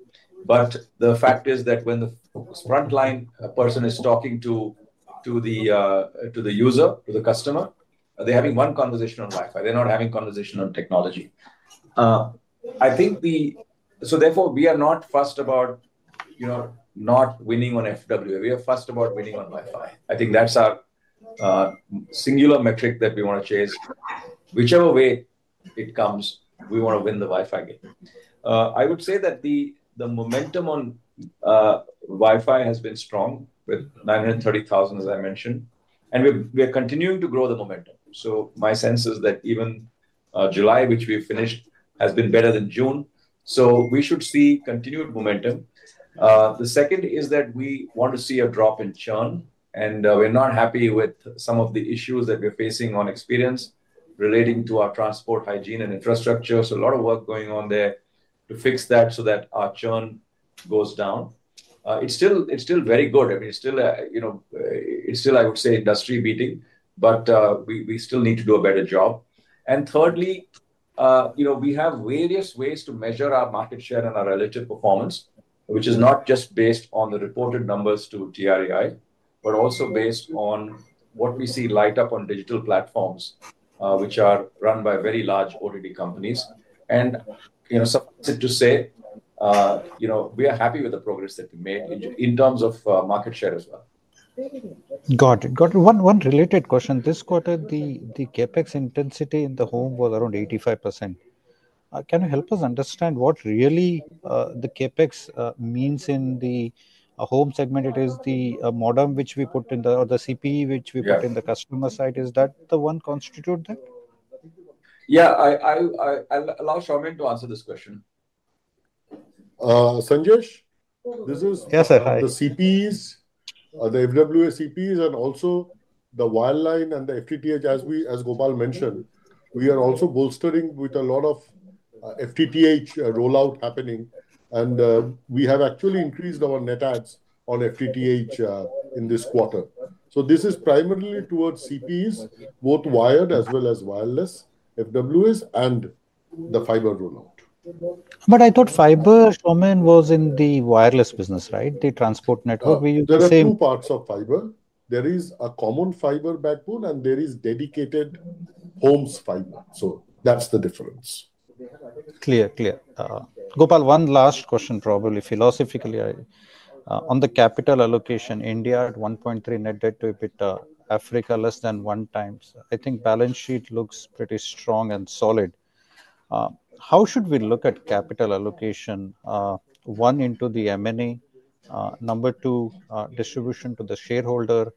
The fact is that when the frontline person is talking to the user, to the customer, they're having one conversation on Wi-Fi, they're not having conversation on technology. Therefore, we are not fussed about not winning on FWA, we are first about winning on Wi-Fi. I think that's our singular metric that we want to chase. Whichever way it comes, we want to win the Wi-Fi game. I would say that the momentum on Wi-Fi has been strong with 930,000 as I mentioned, and we are continuing to grow the momentum. My sense is that even July, which we finished, has been better than June, so we should see continued momentum. The second is that we want to see a drop in churn and we're not happy with some of the issues that we're facing on experience relating to our transport hygiene and infrastructure. A lot of work is going on there to fix that so that our churn goes down. It's still very good. I mean it's still, I would say, industry beating, but we still need to do a better job. Thirdly, we have various ways to measure our market share and our relative performance, which is not just based on the reported numbers to TRAI, but also based on what we see light up on digital platforms which are run by very large OTT companies. You know, we are happy with the progress that we made in terms of market share as well. Got it. Got one. One related question. This quarter, the CapEx intensity in the home was around 85%. Can you help us understand what really the CapEx means in the home segment? Is it the modem which we put in or the CPE which we put in the customer side? Is that the one that constitutes that? Yeah, I'll allow Soumen to answer this question. Sanjesh, this is the CPEs, the FWA CPEs and also the wireline and the FTTH. As Gopal mentioned, we are also bolstering with a lot of FTTH rollout happening, and we have actually increased our net adds on FTTH in this quarter. This is primarily towards CPEs, both wired as well as wireless FWA and the fiber rollout. I thought fiber, Soumen, was in the wireless business. Right. The transport network we use, there are. Two parts of fiber. There is a common fiber backbone, and there is dedicated homes fiber. So that's the difference. Clear. Gopal, one last question. Probably philosophically on the capital allocation, India at 1.3 net debt to EBITDA, Africa less than 1 times. I think balance sheet looks pretty strong and solid. How should we look at capital allocation, one into the M&A, number two, distribution to the shareholder,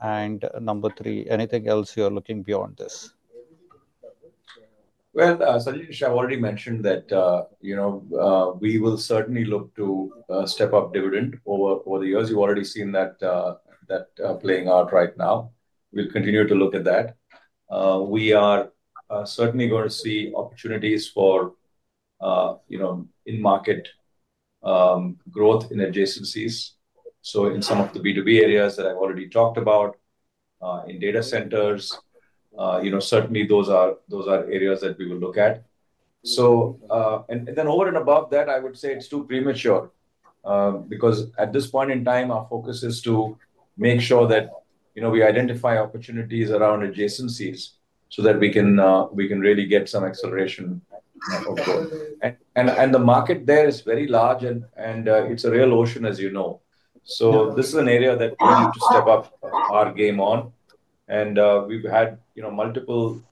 and number three, anything else you are looking beyond this? I have already mentioned that we will certainly look to step up dividend over the years. You've already seen that playing out right now. We'll continue to look at that. We are certainly going to see opportunities for in market growth in adjacencies. In some of the B2B areas that I've already talked about in data centers, those are areas that we will look at. Over and above that, I would say it's too premature because at this point in time our focus is to make sure that we identify opportunities around adjacencies so that we can really get some acceleration. The market there is very large and it's a real ocean as you know. This is an area that we need to step up our game on. We've had multiple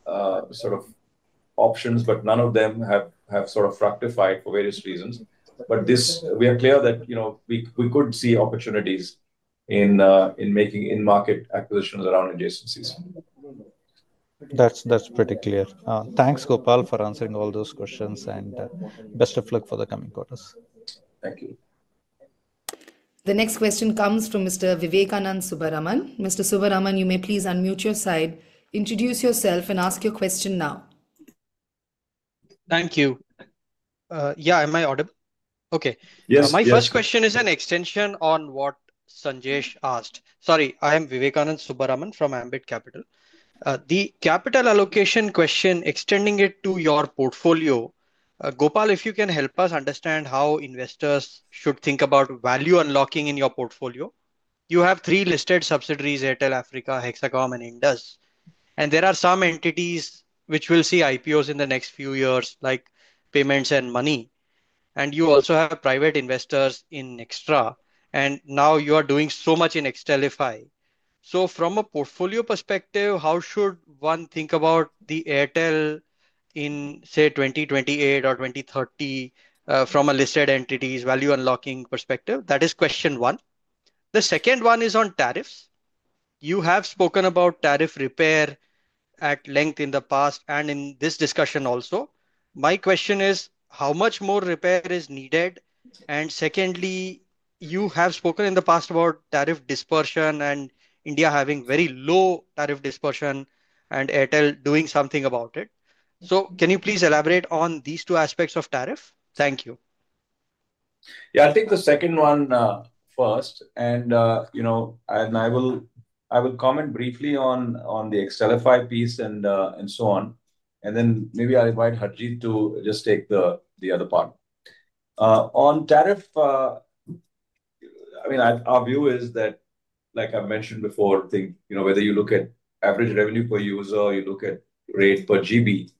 options but none of them have fructified for various reasons. We are clear that we could see opportunities in making in market acquisitions around adjacencies. That's pretty clear. Thanks, Gopal, for answering all those questions and best of luck for the coming quarters. The next question comes from Mr. Vivekanand Subbaraman. Mr. Subbaraman, you may please unmute your side, introduce yourself, and ask your question now. Thank you. Am I audible okay? Yes. My first question is an extension on what Sanjesh asked. Sorry, I am Vivekanand Subbaraman from Ambit Capital. The capital allocation question, extending it to your portfolio. Gopal, if you can help us understand how investors should think about value unlocking. In your portfolio you have three listed subsidiaries, Airtel Africa, Bharti Hexacom, and Indus Towers. There are some entities which will see IPOs in the next few years like payments and money. You also have private investors in Xstream and now you are doing so much in Xtefy. From a portfolio perspective, how should one think about Bharti Airtel in say 2028 or 2030 from a listed entities value unlocking perspective? That is question one. The second one is on tariffs. You have spoken about tariff repair at length in the past and in this discussion also. My question is how much more repair is needed and secondly, you have spoken in the past about tariff dispersion and India having very low tariff dispersion and Bharti Airtel doing something about it. Can you please elaborate on these two aspects of tariff? Thank you. Yeah, I think the second one first. I will comment briefly on the Xtelify piece and so on. Then maybe I invite Harjeet to just take the other part on tariff. I mean, our view is that like I mentioned before, whether you look at average revenue per user, you look at rate per GB,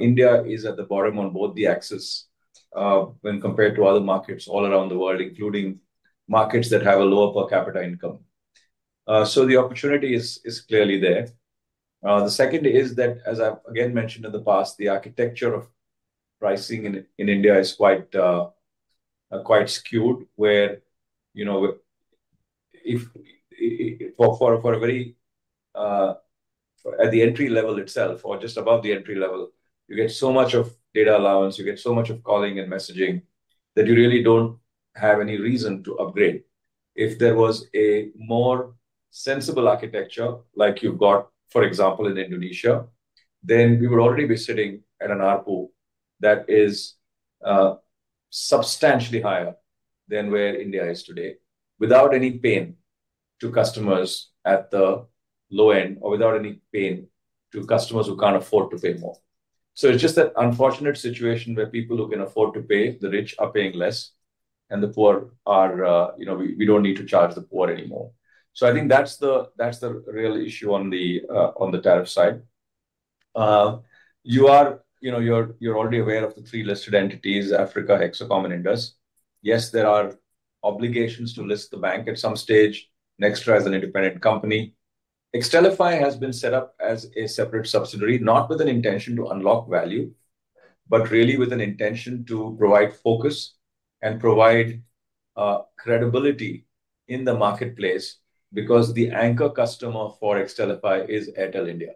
India is at the bottom on both the axis when compared to other markets all around the world, including markets that have a lower per capita income. The opportunity is clearly there. The second is that as I've again mentioned in the past, the architecture of pricing in India is quite, quite skewed where, you know, at the entry level itself or just above the entry level, you get so much of data allowance, you get so much of calling and messaging that you really don't have any reason to upgrade. If there was a more sensible architecture like you've got, for example, in Indonesia, then we would already be sitting at an ARPU that is substantially higher than where India is today, without any pain to customers at the low end or without any pain to customers who can't afford to pay more. It's just that unfortunate situation where people who can afford to pay, the rich are paying less and the poor are, you know, we don't need to charge the poor anymore. I think that's the real issue. On the tariff side, you're already aware of the three listed entities, Africa, Hexacom and Indus. Yes, there are obligations to list the bank at some stage. Nextra as an independent company, Xtelify has been set up as a separate subsidiary, not with an intention to unlock value, but really with an intention to provide focus and provide credibility in the marketplace. The anchor customer for Xtelify is Bharti Airtel India.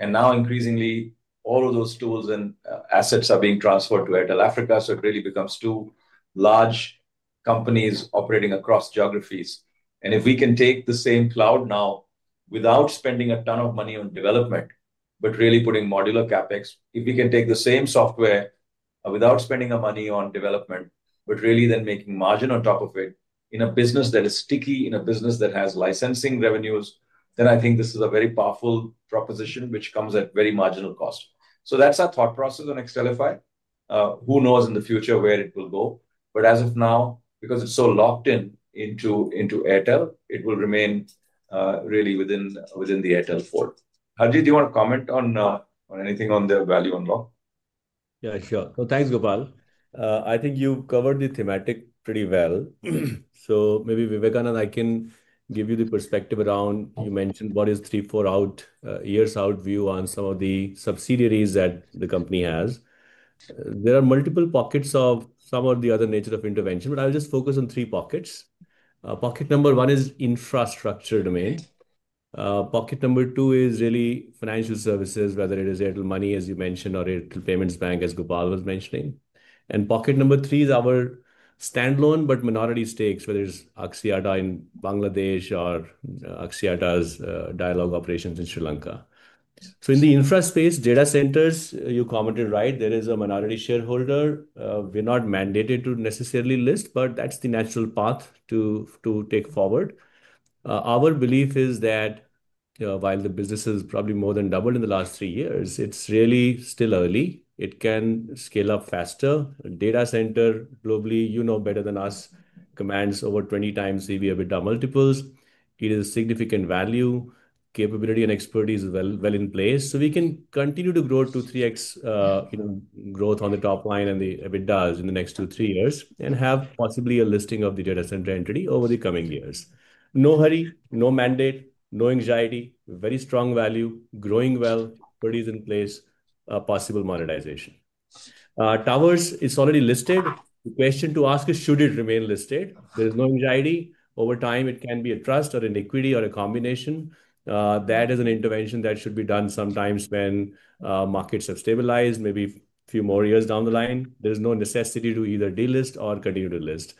Now increasingly all of those tools and assets are being transferred to Airtel Africa. It really becomes two large companies operating across geographies. If we can take the same cloud now without spending a ton of money on development, but really putting modular CapEx, if we can take the same software without spending our money on development, but really then making margin on top of it in a business that is sticky, in a business that has licensing revenues, then I think this is a very powerful proposition which comes at very marginal cost. That's our thought process on Xtelify. Who knows in the future where it will go, but as of now because it's so locked in into Airtel it will remain really within the Airtel fold. Harjeet, do you want to comment on anything on the value unlock? Yeah, sure. Thanks Gopal, I think you've covered the thematic pretty well, so maybe Vivekanand, I can give you the perspective around, you mentioned what is 3-4 years out view on some of the subsidiaries that the company has. There are multiple pockets of some of the other nature of intervention, but I'll just focus on three pockets. Pocket number one is infrastructure domains. Pocket number two is really financial services, whether it is Airtel Money as you mentioned or Airtel Payments Bank as Gopal was mentioning, and pocket number three is our standalone but minority stakes, whether it's Axiata in Bangladesh or Axiata's Dialog operations in Sri Lanka. In the infraspace, data centers you commented right, there is a minority shareholder. We're not mandated to necessarily list, but that's the natural path to take forward. Our belief is that while the business has probably more than doubled in the last three years, it's really still early. It can scale up faster. Data center globally, you know better than us, commands over 20 times EV/EBITDA multiples. It is a significant value. Capability and expertise is well in place. We can continue to grow to 3x growth on the top line and the EBITDAs in the next 2, 3 years and have possibly a listing of the data center entity over the coming years. No hurry, no mandate, no anxiety. Very strong value, growing well, put is in place. Possible monetization, towers is already listed. The question to ask is should it remain listed? There is no anxiety over time. It can be a trust or an equity or a combination. That is an intervention that should be done sometimes when markets have stabilized, maybe a few more years down the line. There's no necessity to either delist or continue to list.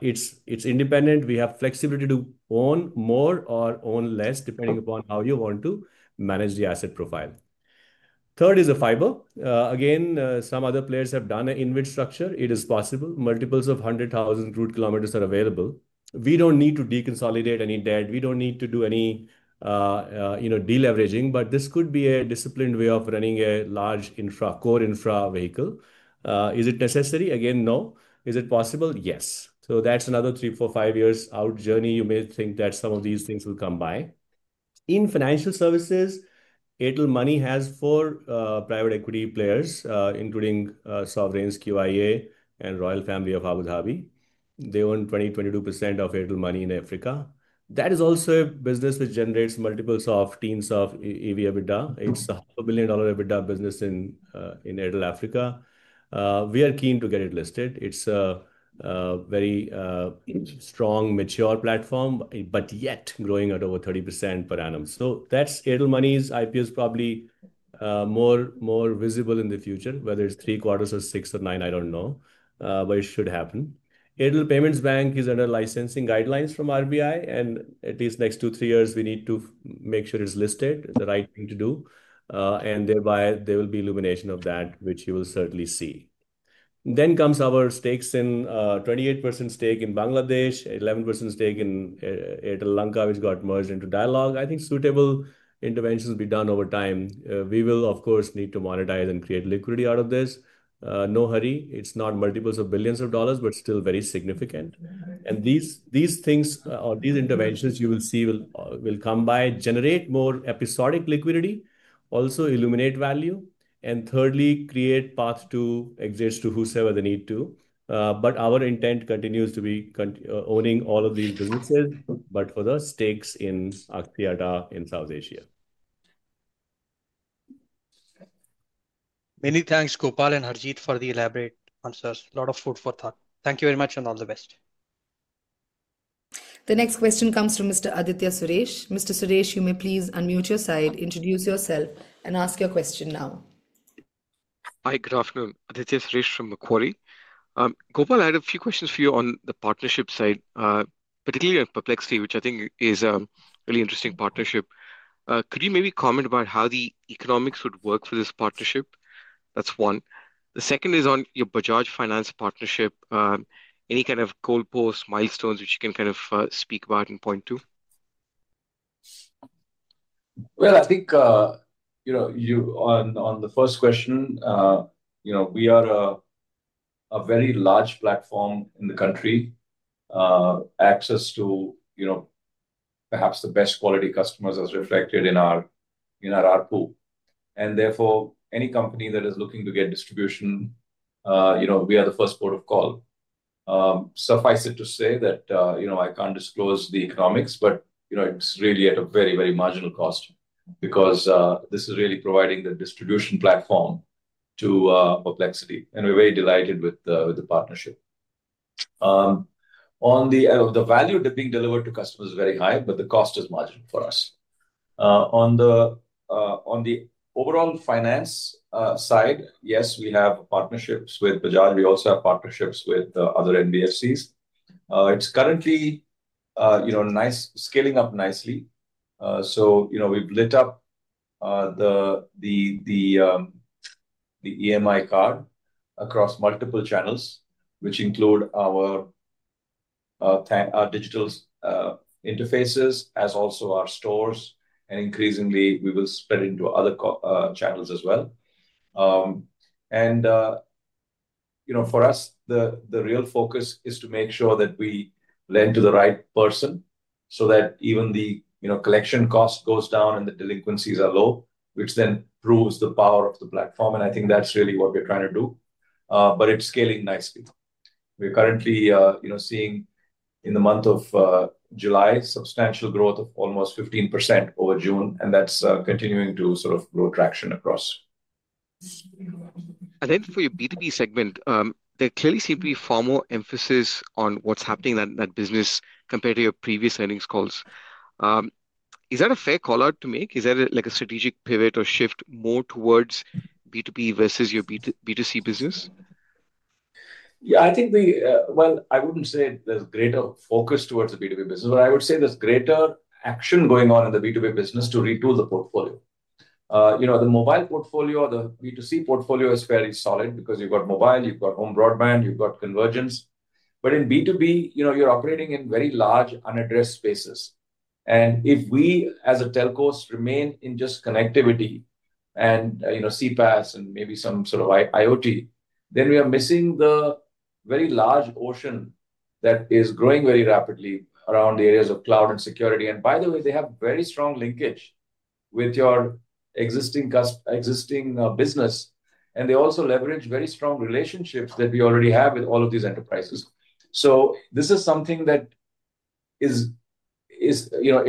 It's independent. We have flexibility to own more or own less depending upon how you want to manage the asset profile. Third is fiber. Again, some other players have done an InvIT structure. It is possible multiples of 100,000 route km are available. We don't need to deconsolidate any debt. We don't need to do any deleveraging. This could be a disciplined way of running a large core infra vehicle. Is it necessary? Again, no. Is it possible? Yes. That's another three, four, five years out journey. You may think that some of these things will come by in financial services. Airtel Money has four private equity players including sovereigns QIA and Royal Family of Abu Dhabi. They own 20-22% of Airtel Money. In Africa, that is also a business that generates multiples of teams of EV/EBITDA. It's a billion dollar EBITDA business in Airtel Africa. We are keen to get it listed. It's a very strong mature platform but yet growing at over 30% per annum. That Airtel Money's IPO is probably more visible in the future. Whether it's three, four, six, or nine, I don't know, but it should happen. Airtel Payments Bank is under licensing guidelines from RBI and at least next two, three years we need to make sure it's listed, the right thing to do, and thereby there will be illumination of that which you will certainly see. Next comes our stakes: 28% stake in Bangladesh, 11% stake in Lanka which got merged into Dialog. I think suitable interventions will be done over time. We will of course need to monetize and create liquidity out of this. No hurry. It's not multiples of billions of dollars but still very significant. These things or these interventions you will see will come by, generate more episodic liquidity, also illuminate value, and thirdly create path to exits to whosoever they need to. Our intent continues to be owning all of these businesses but other stakes in South Asia. Many thanks Gopal and Harjeet for the elaborate answers. Lot of food for thought. Thank you very much and all the best. The next question comes from Mr. Aditya Suresh. Mr. Suresh, you may please unmute your side, introduce yourself, and ask your question now. Hi, good afternoon, this is Rish from Macquarie. Gopal, I had a few questions for you on the partnership side, particularly on Perplexity, which I think is a really interesting partnership. Could you maybe comment about how the economics would work for this partnership? That's one. The second is on your Bajaj Finance partnership, any kind of goal post milestones which you can kind of speak about and point to. I think, on the first question, we are a very large platform in the country. Access to, perhaps, the best quality customers is reflected in our ARPU and therefore any company that is looking to get distribution, we are the first port of call. Suffice it to say that I can't disclose the economics, but it's really at a very, very marginal cost because this is really providing the distribution platform to Perplexity and we're very delighted with the partnership. The value being delivered to customers is very high, but the cost is marginal for us. On the overall finance side, yes, we have partnerships with Bajaj Finance, we also have partnerships with other NBFCs. It's currently scaling up nicely. We've lit up the EMI card across multiple channels, which include our digital interfaces as also our stores, and increasingly we will spread into other channels as well. For us, the real focus is to make sure that we lend to the right person so that even the collection cost goes down and the delinquencies are low, which then proves the power of the platform. I think that's really what we're trying to do. It's scaling nicely. We're currently seeing, in the month of July, substantial growth of almost 15% over June, and that's continuing to grow traction across. I think for your B2B segment there clearly seem to be far more emphasis on what's happening in that business compared to your previous earnings calls. Is that a fair call out to make? Is that like a strategic pivot or shift more towards B2B versus your B2C business? Yeah, I think there's greater action going on in the B2B business to retool the portfolio. You know, the mobile portfolio or the B2C portfolio is fairly solid because you've got mobile, you've got home broadband, you've got convergence. In B2B, you know, you're operating in very large unaddressed spaces. If we as telcos remain in just connectivity and, you know, CPaaS and maybe some sort of IoT, then we are missing the very large ocean that is growing very rapidly around the areas of cloud and security. By the way, they have very strong linkage with your existing business and they also leverage very strong relationships that we already have with all of these enterprises. This is something that is, you know,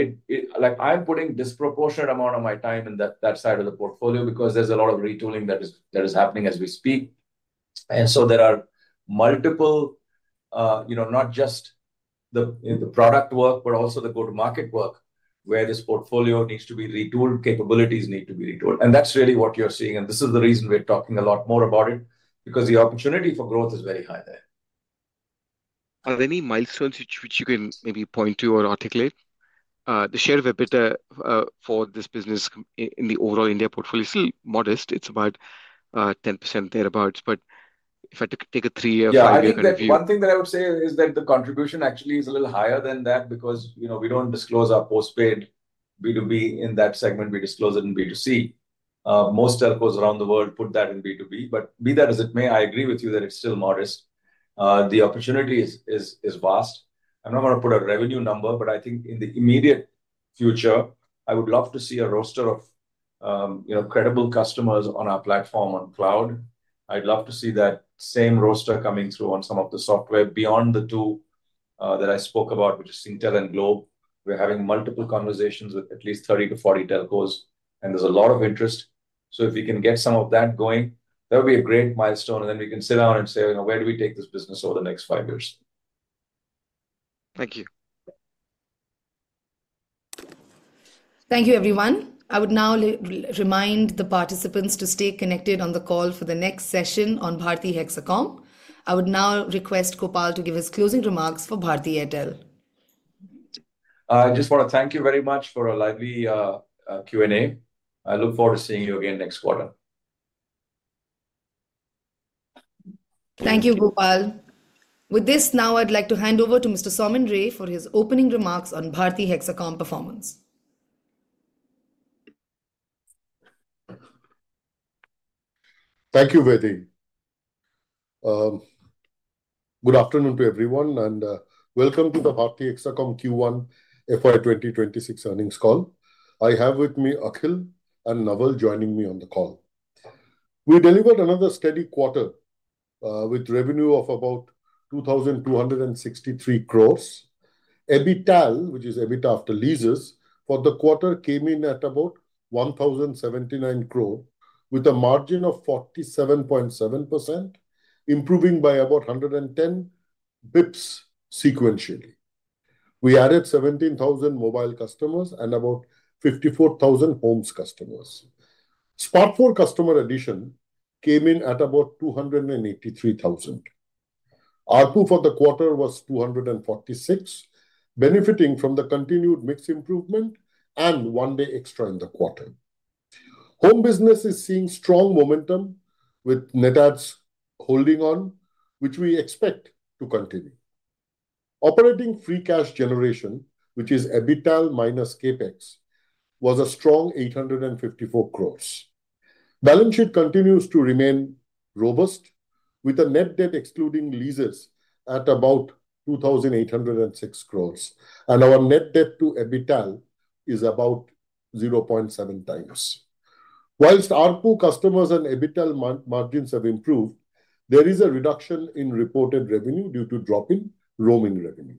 like I'm putting disproportionate amount of my time in that side of the portfolio because there's a lot of retooling that is happening as we speak. There are multiple, you know, not just the product work but also the go-to-market work where this portfolio needs to be retooled, capabilities need to be retooled and that's really what you're seeing. This is the reason we're talking a lot more about it because the opportunity for growth is very high. Are there any milestones which you can maybe point to or articulate? The share of EBITDA for this business in the overall India portfolio is still modest. It's about 10% thereabouts. If I take a three year. One thing that I would say is that the contribution actually is a little higher than that because we don't disclose our postpaid B2B in that segment, we disclose it in B2C. Most telcos around the world put that in B2B. Be that as it may, I agree with you that it's still modest. The opportunity is vast. I'm not going to put a revenue number, but I think in the immediate future I would love to see a roster of credible customers on our platform on cloud. I'd love to see that same roster coming through on some of the software beyond the two that I spoke about, which is Singtel and Globe Telecom. We're having multiple conversations with at least 30 to 40 telcos and there's a lot of interest. If we can get some of that going, that'll be a great milestone and then we can sit down and say where do we take this business over the next five years. Thank you. Thank you everyone. I would now remind the participants to stay connected on the call for the next session on Bharti Hexacom. I would now request Gopal to give his closing remarks for Bharti Airtel. I just want to thank you very much for a lively Q and A. I look forward to seeing you again next quarter. Thank you, Gopal. With this, now I'd like to hand over to Mr. Soumen Ray for his opening remarks on Bharti Hexacom performance. Thank you, Vaidehi. Good afternoon to everyone and welcome to the Bharti Hexacom Q1 FY 2026 earnings call. I have with me Akhil and Naval joining me on the call. We delivered another steady quarter with revenue of about 2,263 crore. EBITDAL, which is EBITDA after leases, for the quarter came in at about 1,079 crore with a margin of 47.7%, improving by about 110 bps. Sequentially, we added 17,000 mobile customers and about 54,000 homes customers. Spark 4 customer addition came in at about 283,000. ARPU for the quarter was 246, benefiting from the continued mix improvement and one day extra in the quarter. Home business is seeing strong momentum with net adds holding on, which we expect to continue. Operating free cash generation, which is EBITDAL minus CapEx, was a strong 854 crore. Balance sheet continues to remain robust with net debt excluding leases at about 2,806 crore, and our net debt to EBITDAL is about 0.7 times. Whilst ARPU, customers, and EBITDAL margins have improved, there is a reduction in reported revenue due to drop in roaming revenue.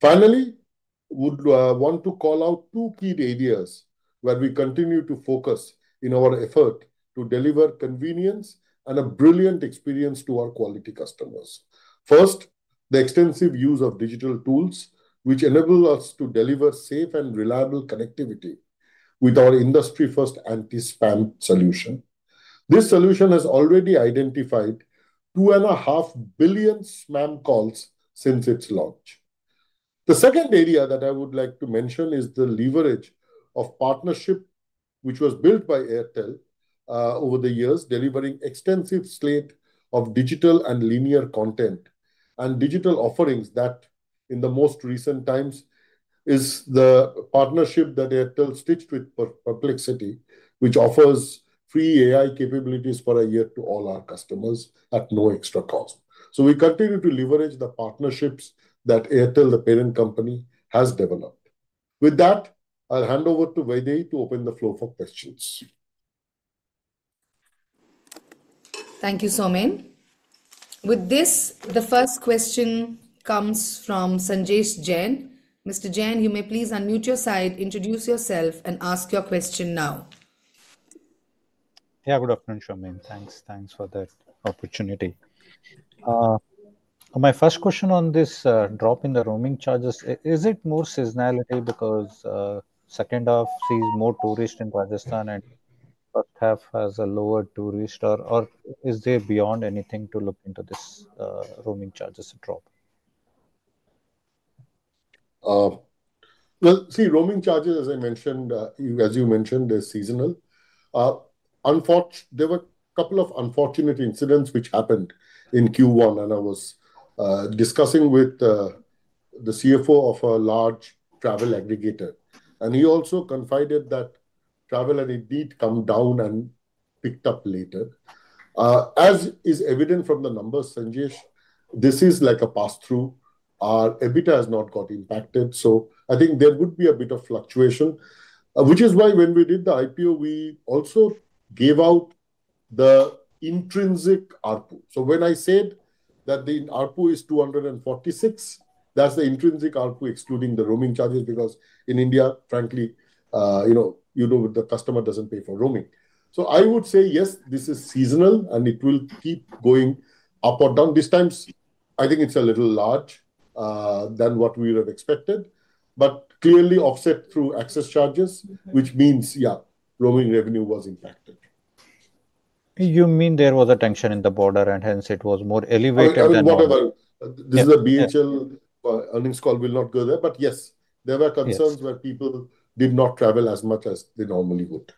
Finally, I would want to call out two key areas where we continue to focus in our effort to deliver convenience and a brilliant experience to our quality customers. First, the extensive use of digital tools, which enable us to deliver safe and reliable connectivity with our industry-first anti-spam solution. This solution has already identified 2.5 billion spam calls since its launch. The second area that I would like to mention is the leverage of partnership which was built by Airtel over the years, delivering extensive slate of digital and linear content and digital offerings. In the most recent times, this is the partnership that Airtel stitched with Perplexity, which offers free AI capabilities for a year to all our customers at no extra cost. We continue to leverage the partnerships that Airtel, the parent company, has developed. With that, I'll hand over to Vaidehi to open the floor for questions. Thank you, Soumen. With this, the first question comes from Sanjesh Jain. Mr. Jain, you may please unmute your side, introduce yourself, and ask your question now. Yeah, good afternoon Shaman, thanks. Thanks for that opportunity. My first question on this drop in the roaming charges, is it more seasonality because second half sees more tourists in Pakistan and then has a lower tourist or is there beyond anything to look into this roaming charges drop? Roaming charges, as I mentioned, as you mentioned, is seasonal. Unfortunately, there were a couple of unfortunate incidents which happened in Q1 and I was discussing with the CFO of a large travel aggregator and he also confided that travel had indeed come down and picked up later, as is evident from the numbers. Sanjesh, this is like a pass through. Our EBITDA has not got impacted. I think there would be a bit of fluctuation, which is why when we did the IPO we also gave out the intrinsic ARPU. When I said that the ARPU is 246, that's the intrinsic ARPU excluding the roaming charges because in India, frankly, you know the customer doesn't pay for roaming. I would say yes, this is seasonal and it will keep going up or down. This time I think it's a little larger than what we would have expected but clearly offset through access charges, which means, yeah, roaming revenue was impacted. You mean there was a tension in the border, and hence it was more. Elevated than whatever this is. A Bharti Airtel Limited earnings call will not go there. Yes, there were concerns where people did not travel as much as they normally would.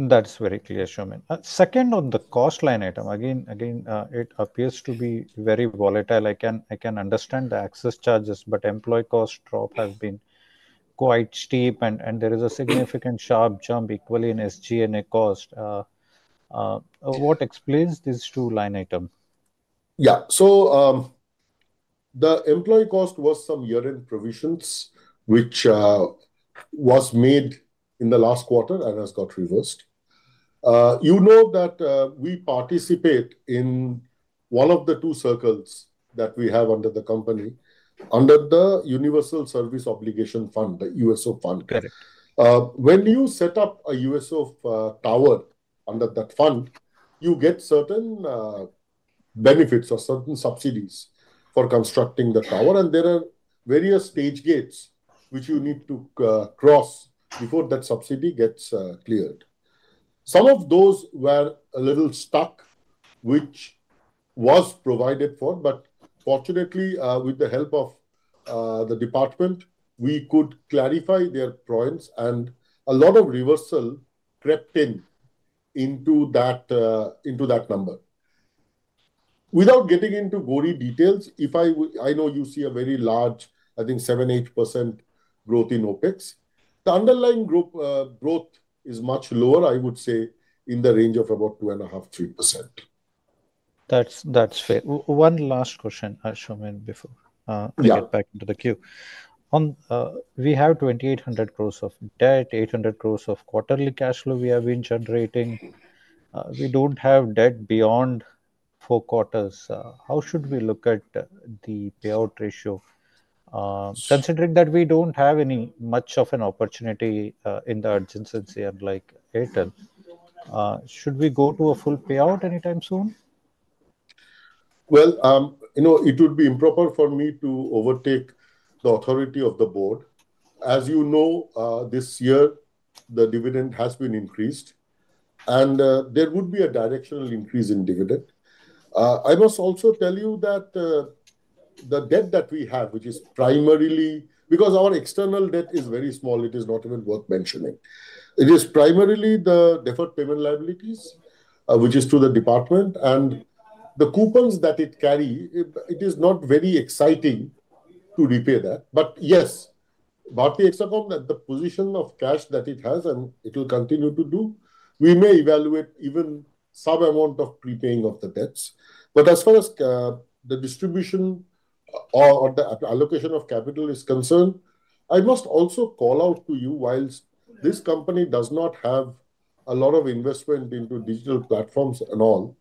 That's very clear. Soumen, second on the cost line item. Again, it appears to be very volatile. I can understand the access charges, but employee cost drop has been quite steep, and there is a significant sharp jump equally in SG&A cost. What explains this true line item? Yeah, so the employee cost was some year-end provisions which was made in the last quarter and has got reversed. You know that we participate in one of the two circles that we have under the company under the Universal Service Obligation Fund, the USO fund. When you set up a USO tower under that fund, you get certain benefits or certain subsidies for constructing the tower, and there are various stage gates which you need to cross before that subsidy gets cleared. Some of those were a little stuck, which was provided for. Fortunately, with the help of the department, we could clarify their points, and a lot of reversal crept into that number. Without getting into gory details, I know you see a very large, I think 7.8% growth in OpEx. The underlying group growth is much lower. I would say in the range of about 2.5-3%. That's fair. One last question, Ashwin, before I get back into the queue. We have 2.8 billion of debt, 800 million of quarterly cash flow we have been generating. We don't have debt beyond four quarters. How should we look at the payout ratio considering that we don't have any much of an opportunity in the adjacency and like patent? Should we go to a full payout anytime soon? You know it would be improper for me to overtake the authority of the board. As you know, this year the dividend has been increased and there would be a directional increase in dividend. I must also tell you that the debt that we have, which is primarily because our external debt is very small, is not even worth mentioning. It is primarily the deferred payment liabilities, which is to the department, and the coupons that it carry. It is not very exciting to repay that. Yes, Bharti Airtel, the position of cash that it has, and it will continue to do. We may evaluate even some amount of prepaying of the debts. As far as the distribution or the allocation of capital is concerned, I must also call out to you, whilst this company does not have a lot of investment into digital platforms and all,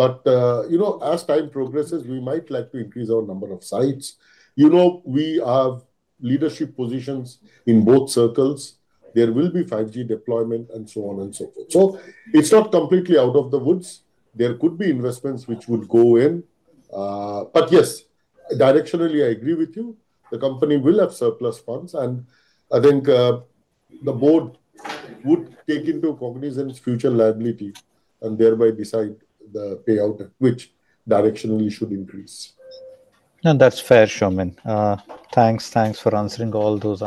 as time progresses we might like to increase our number of sites. You know we have leadership positions in both circles. There will be 5G deployment and so on and so forth. It's not completely out of the woods. There could be investments which would go in. Yes, directionally I agree with you. The company will have surplus funds and I think the board would take into account the company and future liability and thereby decide the payout, which direction we should increase, and that's fair. Soumen, thanks. Thanks for answering all those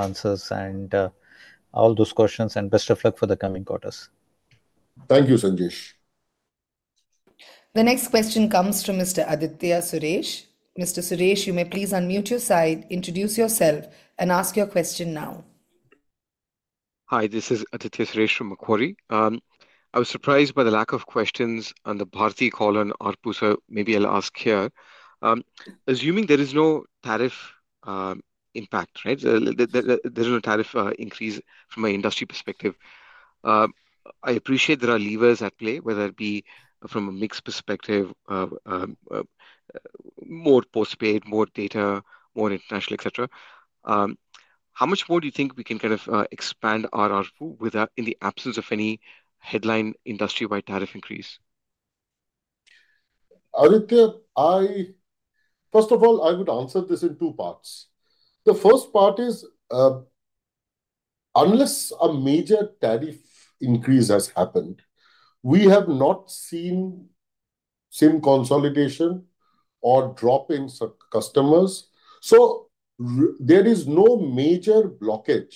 questions and best of luck for the coming quarters. Thank you, Sanjesh. The next question comes from Mr. Aditya Suresh. Mr. Suresh, you may please unmute your side, introduce yourself, and ask your question now. Hi, this is Aditya Suresh from Macquarie. I was surprised by the lack of questions on the Bharti Airtel call on ARPU, so maybe I'll ask here. Assuming there is no tariff impact, right, there is no tariff increase from an industry perspective. I appreciate there are levers at play, whether it be from a mix perspective, more postpaid, more data, more international, etc. How much more do you think we can kind of expand ARPU in the absence of any headline industry-wide tariff increase? First of all, I would answer this in two parts. The first part is unless a major tariff increase has happened, we have not seen SIM consolidation or drop in customers. There is no major blockage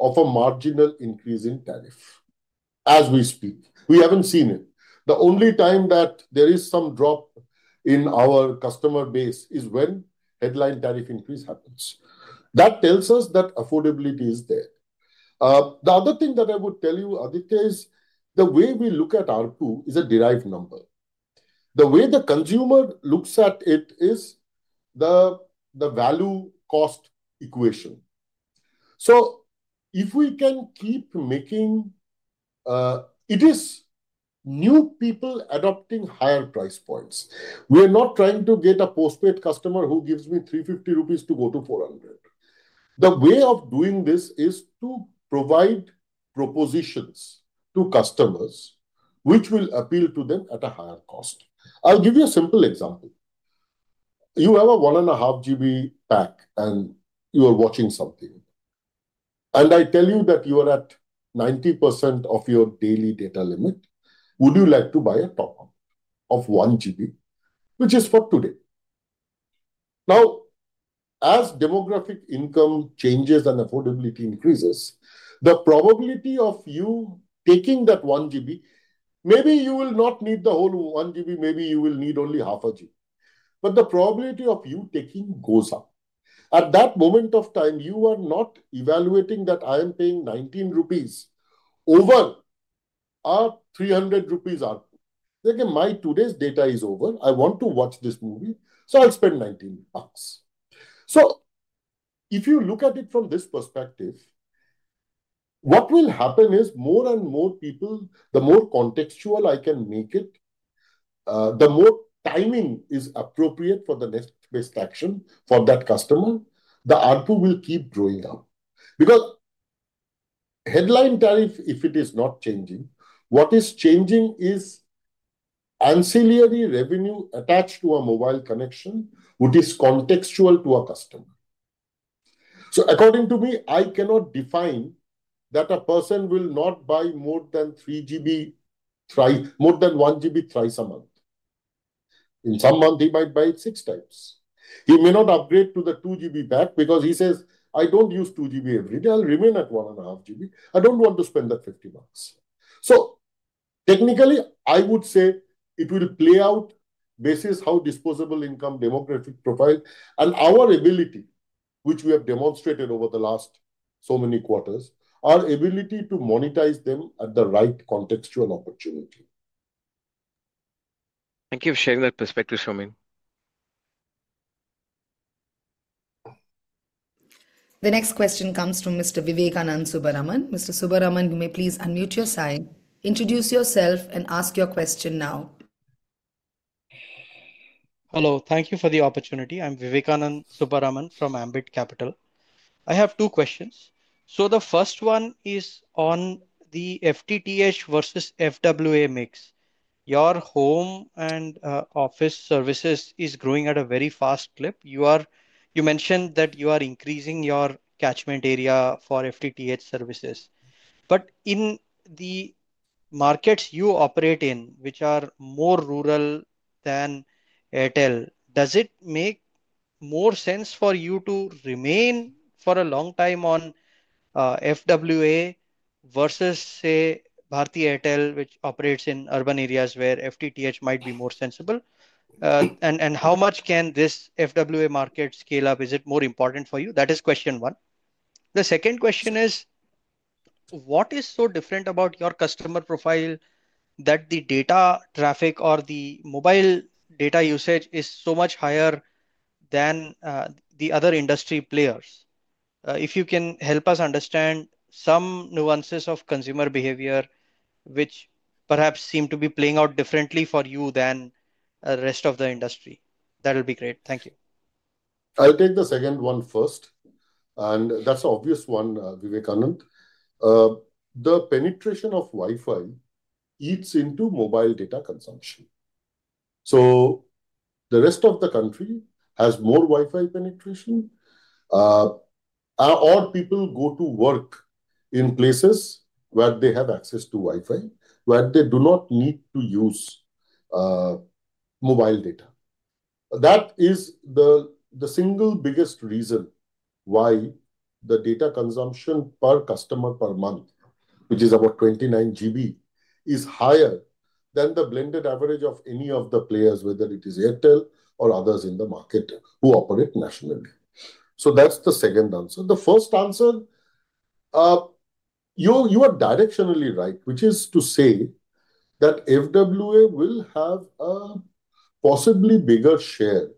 of a marginal increase in tariff as we speak. We haven't seen it. The only time that there is some drop in our customer base is when headline tariff increase happens. That tells us that affordability is there. The other thing that I would tell you, Aditya, is the way we look at ARPU is a derived number. The way the consumer looks at it is the value cost equation. If we can keep making. It is new people adopting higher price points. We are not trying to get a postpaid customer who gives me 350 rupees to go to 400. The way of doing this is to provide propositions to customers which will appeal to them at a higher cost. I'll give you a simple example. You have a one and a half GB pack and you are watching something and I tell you that you are at 90% of your daily data limit. Would you like to buy a top-up of 1 GB which is for today? Now as demographic income changes and affordability increases, the probability of you taking that 1 GB, maybe you will not need the whole 1 GB. Maybe you will need only half a GB. The probability of you taking goes up at that moment of time. You are not evaluating that I am paying 19 rupees over an 300 rupees. My today's data is over. I want to watch this movie, so I'll spend INR 19. If you look at it from this perspective, what will happen is more and more people, the more contextual I can make it, the more timing is appropriate for the next best action for that customer. The ARPU will keep growing up because headline tariff, if it is not changing, what is changing is ancillary revenue attached to a mobile connection which is contextual to a customer. According to me, I cannot define that a person will not buy more than 1 GB thrice a month. In some month he might buy it six times. He may not upgrade to the 2 GB pack because he says I don't use 2 GB every day. I'll remain at one and a half GB. I don't want to spend the INR 50. Technically, I would say it will play out based on how disposable income, demographic profile, and our ability, which we have demonstrated over the last so many quarters, our ability to monetize them at the right contextual opportunity. Thank you for sharing that perspective, Soumen. The next question comes from Mr. Vivekanand Subbaraman. Mr. Subbaraman, you may please unmute your side, introduce yourself, and ask your question now. Hello. Thank you for the opportunity. I'm Vivekanand Subbaraman from Ambit Capital. I have two questions. The first one is on the FTTH versus FWA mix. Your home and office services are growing at a very fast clip. You mentioned that you are increasing your catchment area for FTTH services. In the markets you operate in, which are more rural than Bharti Airtel, does it make more sense for you to remain for a long time on FWA versus, say, Bharti Airtel, which operates in urban areas where FTTH might be more sensible? How much can this FWA market scale up? Is it more important for you? That is question one. The second question is what is so different about your customer profile that the data traffic or the mobile data usage is so much higher than the other industry players? If you can help us understand some nuances of consumer behavior which perhaps seem to be playing out differently for you than the rest of the industry, that would be great. Thank you. I'll take the second one first and that's obvious one, Vivekanand. The penetration of Wi-Fi eats into mobile data consumption. The rest of the country has more Wi-Fi penetration or people go to work in places where they have access to Wi-Fi, where they do not need to use mobile data. That is the single biggest reason why the data consumption per customer per month, which is about 29 GB, is higher than the blended average of any of the players, whether it is Bharti Airtel or others in the market who operate nationally. That's the second answer. The first answer, you are directionally right, which is to say that FWA will have a possibly bigger share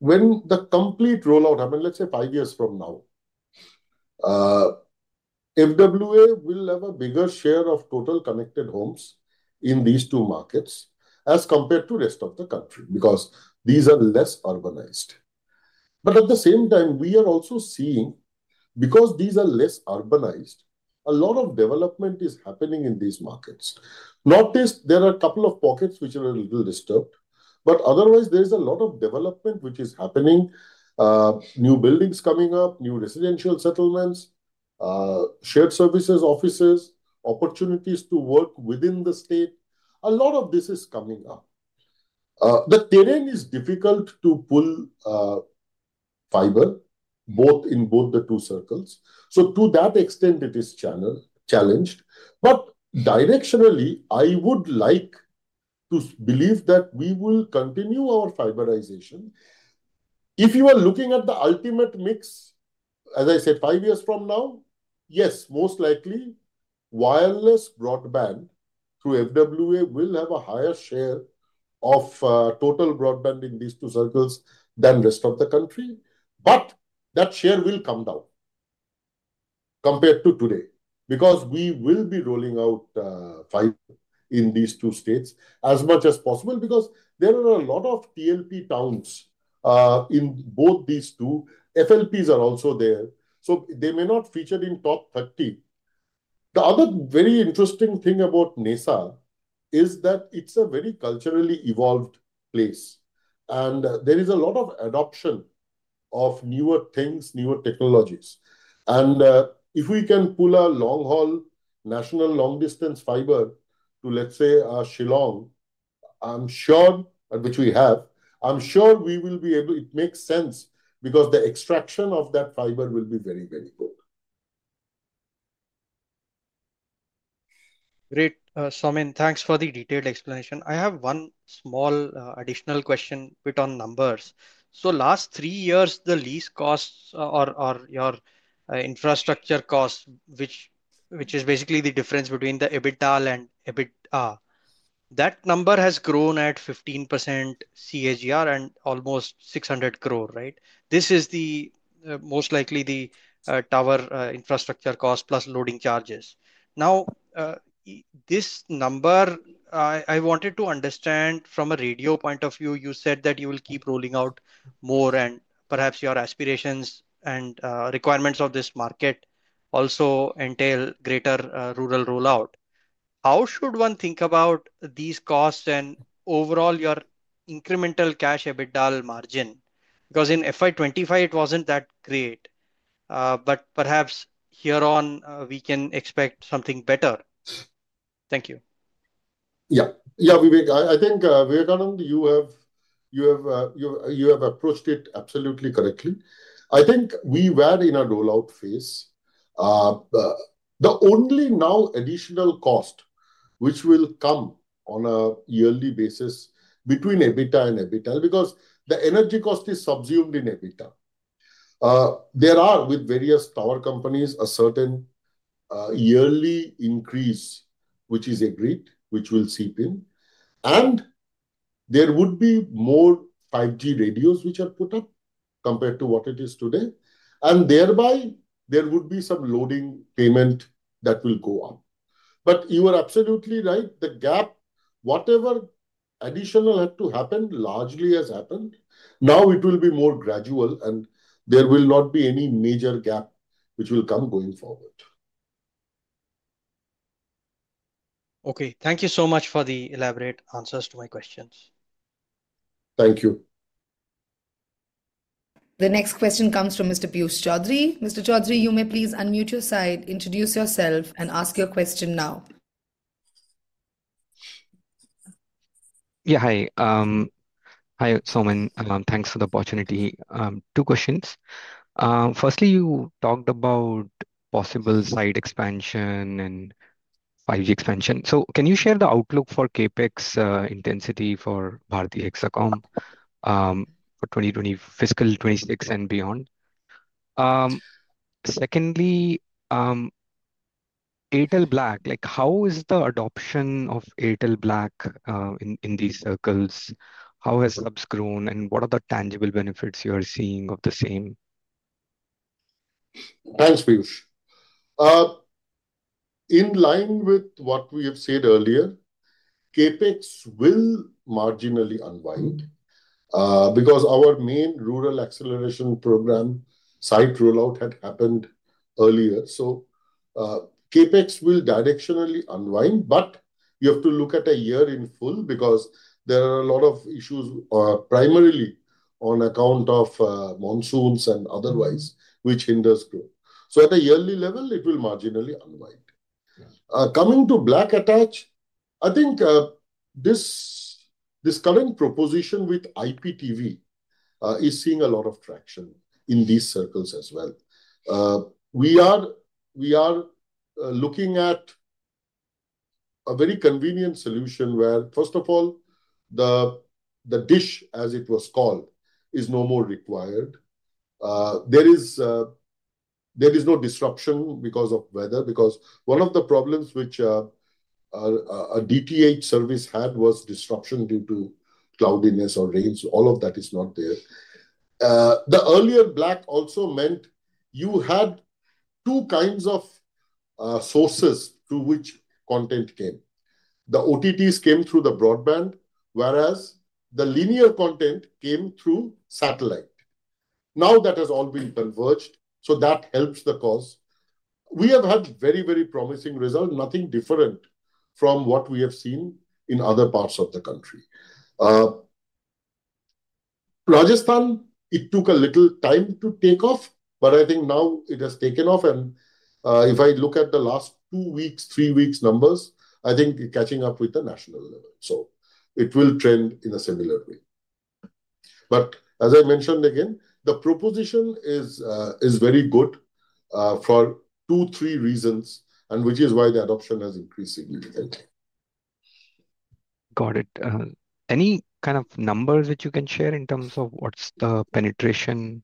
when the complete rollout happens. Let's say five years from now, FWA will have a bigger share of total connected homes in these two markets as compared to the rest of the country because these are less urbanized. At the same time, we are also seeing, because these are less urbanized, a lot of development is happening in these markets. There are a couple of pockets which are a little disturbed, but otherwise there is a lot of development which is happening. New buildings coming up, new residential settlements, shared services, offices, opportunities to work within the state—a lot of this is coming up. The terrain is difficult to pull fiber in both the two circles, so to that extent it is challenged. Directionally, I would like to believe that we will continue our fiberization. If you are looking at the ultimate mix, as I said, five years from now, most likely wireless broadband through FWA will have a higher share of total broadband in these two circles than the rest of the country. That share will come down compared to today because we will be rolling out fiber in these two states as much as possible. There are a lot of TLP towns in both these two FLPs also, so they may not feature in the top 30. The other very interesting thing about NESA is that it's a very culturally evolved place and there is a lot of adoption of newer things, newer technologies. If we can pull a long haul national long distance fiber to, let's say, Shillong—which we have—I'm sure we will be able to. It makes sense because the extraction of that fiber will be very, very good. Great, Soumen, thanks for the detailed explanation. I have one small additional question on numbers. The last three years, the lease costs or your infrastructure costs, which is basically the difference between the EBITDAL and EBITA, that number has grown at 15% CAGR and almost 600 crore, right? This is most likely the tower infrastructure cost plus loading charges. Now, this number I wanted to understand from a radio point of view. You said that you will keep rolling out more and perhaps your aspirations and requirements of this market also entail greater rural rollout. How should one think about these costs and overall your incremental cash EBITDAL margin? In FY 2025 it wasn't that great, but perhaps here on we can expect something better. Thank you. Yeah, yeah. Vivek, I think you have approached it absolutely correctly. I think we were in a rollout phase. The only now additional cost which will come on a yearly basis between EBITDA and EBITDA, because the energy cost is subsumed in EBITDA. There are, with various power companies, a certain yearly increase which is agreed, which will seep in, and there would be more 5G radios which are put up compared to what it is today, and thereby there would be some loading payment that will go up. You are absolutely right. The gap, whatever additional had to happen, largely has happened now. It will be more gradual, and there will not be any major gap which will come going forward. Okay, thank you so much for the elaborate answers to my questions. Thank you. The next question comes from Mr. Piush Choudhary. Mr. Choudhary, you may please unmute your side, introduce yourself, and ask your question now. Yeah. Hi. Hi Soumen, thanks for the opportunity. Two questions. Firstly, you talked about possible site expansion and 5G expansion. Can you share the outlook for CapEx intensity for Bharti Hexacom for fiscal 2026 and beyond? Secondly, Airtel Black, like how is the adoption of Airtel Black in these circles? How has Labs grown and what are the tangible benefits you are seeing of the same? Thanks, peers. In line with what we have said earlier, CapEx will marginally unwind because our main rural acceleration program site rollout had happened earlier. CapEx will directionally unwind, but you have to look at a year in full because there are a lot of issues, primarily on account of monsoons and otherwise, which hinders growth. At a yearly level, it will marginally unwind. Coming to black attach, I think this current proposition with IPTV is seeing a lot of traction in these circles as well. We are looking at a very convenient solution where, first of all, the dish as it was called is no more required. There is no disruption because of weather, because one of the problems which a DTH service had was disruption due to cloudiness or rains. All of that is not there. The earlier black also meant you had two kinds of sources through which content came. The OTTs came through the broadband, whereas the linear content came through satellite. Now that has all been converged, so that helps the cause. We have had very, very promising result, nothing different from what we have seen in other parts of the country. Rajasthan, it took a little time to take off, but I think now it has taken off, and if I look at the last two weeks, three weeks numbers, I think catching up with the national level. It will trend in a similar way. As I mentioned again, the proposition is very good for two, three reasons, which is why the adoption has increased significantly. Got it. Any kind of numbers which you can share in terms of what's the penetration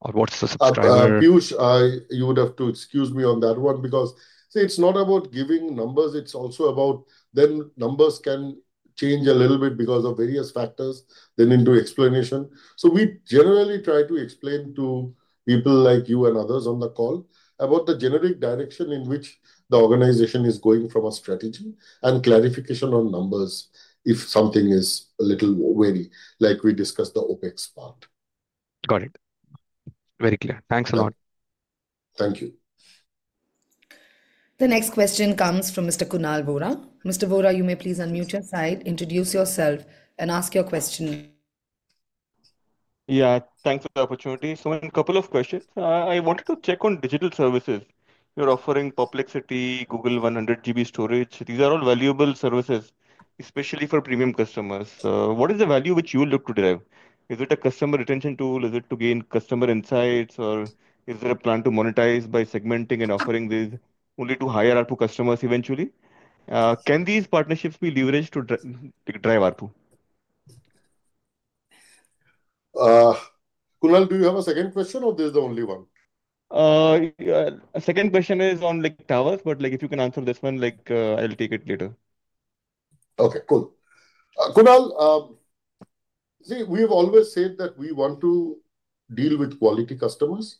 or what's the subscriber? You would have to excuse me on that one because it's not about giving numbers. It's also about then numbers can change a little bit because of various factors, then into explanation. We generally try to explain to people like you and others on the call about the generic direction in which the organization is going from a strategy and clarification on numbers. If something is a little var, like we discussed the OpEx part. Got it. Very clear. Thanks a lot. Thank you. The next question comes from Mr. Kunal Vora. Mr. Vora, you may please unmute your side, introduce yourself, and ask your question. Yeah, thanks for the opportunity. A couple of questions. I wanted to check on digital services. You're offering Perplexity, Google 100GB storage. These are all valuable services, especially for premium customers. What is the value which you look to drive? Is it a customer retention tool? Is it to gain customer insights? Or is there a plan to monetize by segmenting and offering these only to higher output customers eventually? Can these partnerships be leveraged to drive? Kunal, do you have a second question, or is this the only one? Second question is on like Indus Towers, but like if you can answer this one, I'll take it later. Okay, cool. Kunal. See, we have always said that we want to deal with quality customers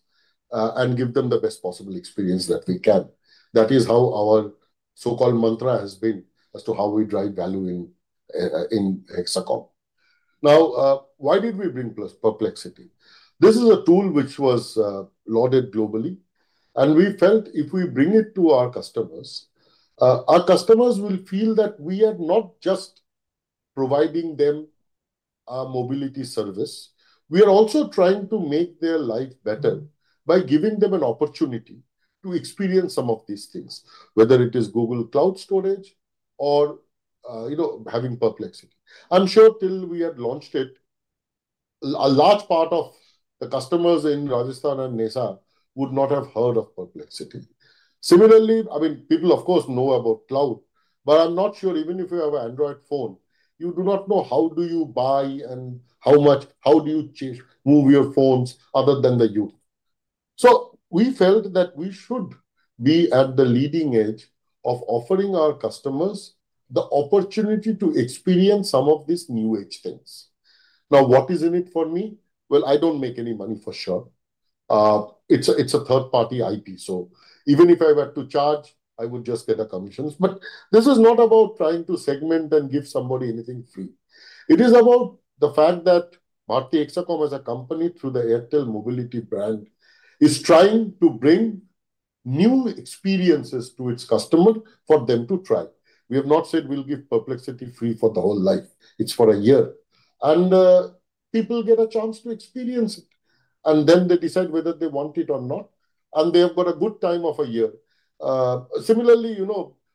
and give them the best possible experience that we can. That is how our so-called mantra has been as to how we drive value in Hexacom. Now, why did we bring Perplexity? This is a tool which was lauded globally, and we felt if we bring it to our customers, our customers will feel that we are not just providing them a mobility service, we are also trying to make their life better by giving them an opportunity to experience some of these things. Whether it is Google Cloud storage or having Perplexity, I'm sure till we had launched it, a large part of the customers in Rajasthan and NESA would not have heard of Perplexity. Similarly, people of course know about cloud, but I'm not sure even if you have an Android phone, you do not know how do you buy and how much, how do you move your phones other than the you. We felt that we should be at the leading edge of offering our customers the opportunity to experience some of these new age things. Now, what is in it for me? I don't make any money for sure. It's a third party. Even if I were to charge, I would just get a commission. This is not about trying to segment and give somebody anything free. It is about the fact that Bharti Hexacom as a company through the Airtel Mobility brand is trying to bring new experiences to its customer for them to try. We have not said we'll give Perplexity free for the whole life. It's for a year, and people get a chance to experience it and then they decide whether they want it or not, and they have got a good time of a year. Similarly,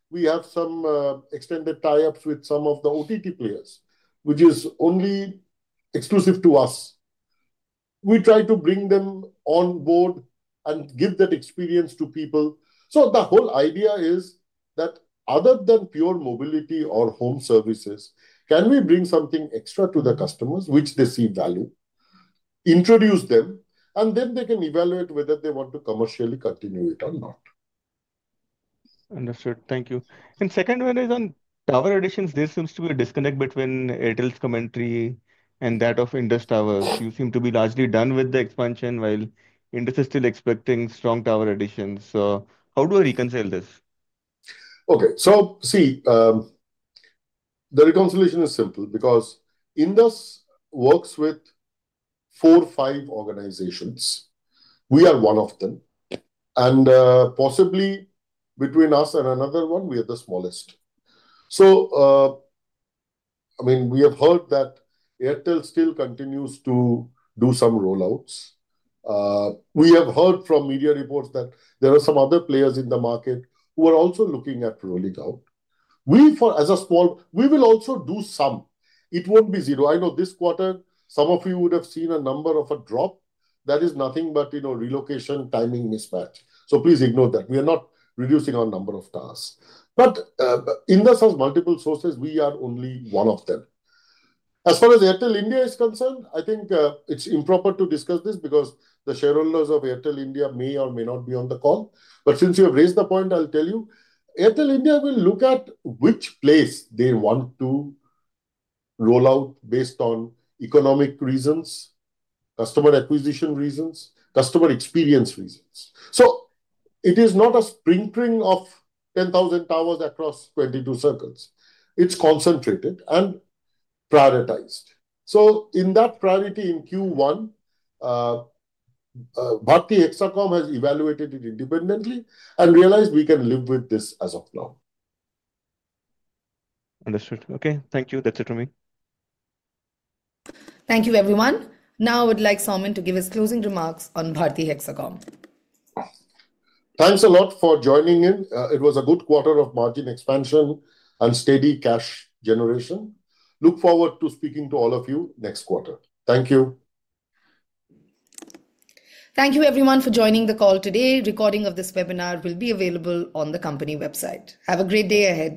we have some extended tie-ups with some of the OTT players which is only exclusive to us. We try to bring them on board and give that experience to people. The whole idea is that other than pure mobility or home services, can we bring something extra to the customers which they see value, introduce them, and then they can evaluate whether they want to commercially continue it or not. Understood. Thank you. The second one is on tower additions. There seems to be a disconnect between Airtel's commentary and that of Indus Towers. You seem to be largely done with the expansion, while Indus is still expecting strong tower additions, how do I reconcile this? Okay, the reconciliation is simple because Indus Towers works with four or five organizations. We are one of them and possibly between us and another one, we are the smallest. We have heard that Bharti Airtel still continues to do some rollouts. We have heard from media reports that there are some other players in the market who are also looking at rolling down. We, as a small, will also do some. It won't be zero. I know this quarter some of you would have seen a number of a drop. That is nothing but relocation, timing, mismatch. Please ignore that. We are not reducing our number of tasks. Indus Towers has multiple sources. We are only one of them. As far as Bharti Airtel India is concerned, I think it's improper to discuss this because the shareholders of Bharti Airtel India may or may not be on the call. Since you have raised the point, I'll tell you, Bharti Airtel India will look at which place they want to roll out based on economic reasons, customer acquisition reasons, customer experience reasons. It is not a spring of 10,000 towers across 22 circles. It's concentrated and prioritized. In that priority in Q1, Bharti Hexacom has evaluated it independently and realized we can live with this as of now. Understood. Okay, thank you. That's it for me. Thank you, everyone. Now, I would like Soumen to give his closing remarks on Bharti Hexacom. Thanks a lot for joining in. It was a good quarter of margin expansion and steady cash generation. Look forward to speaking to all of you next quarter. Thank you. Thank you everyone for joining the call today. Recording of this webinar will be available on the company website. Have a great day ahead.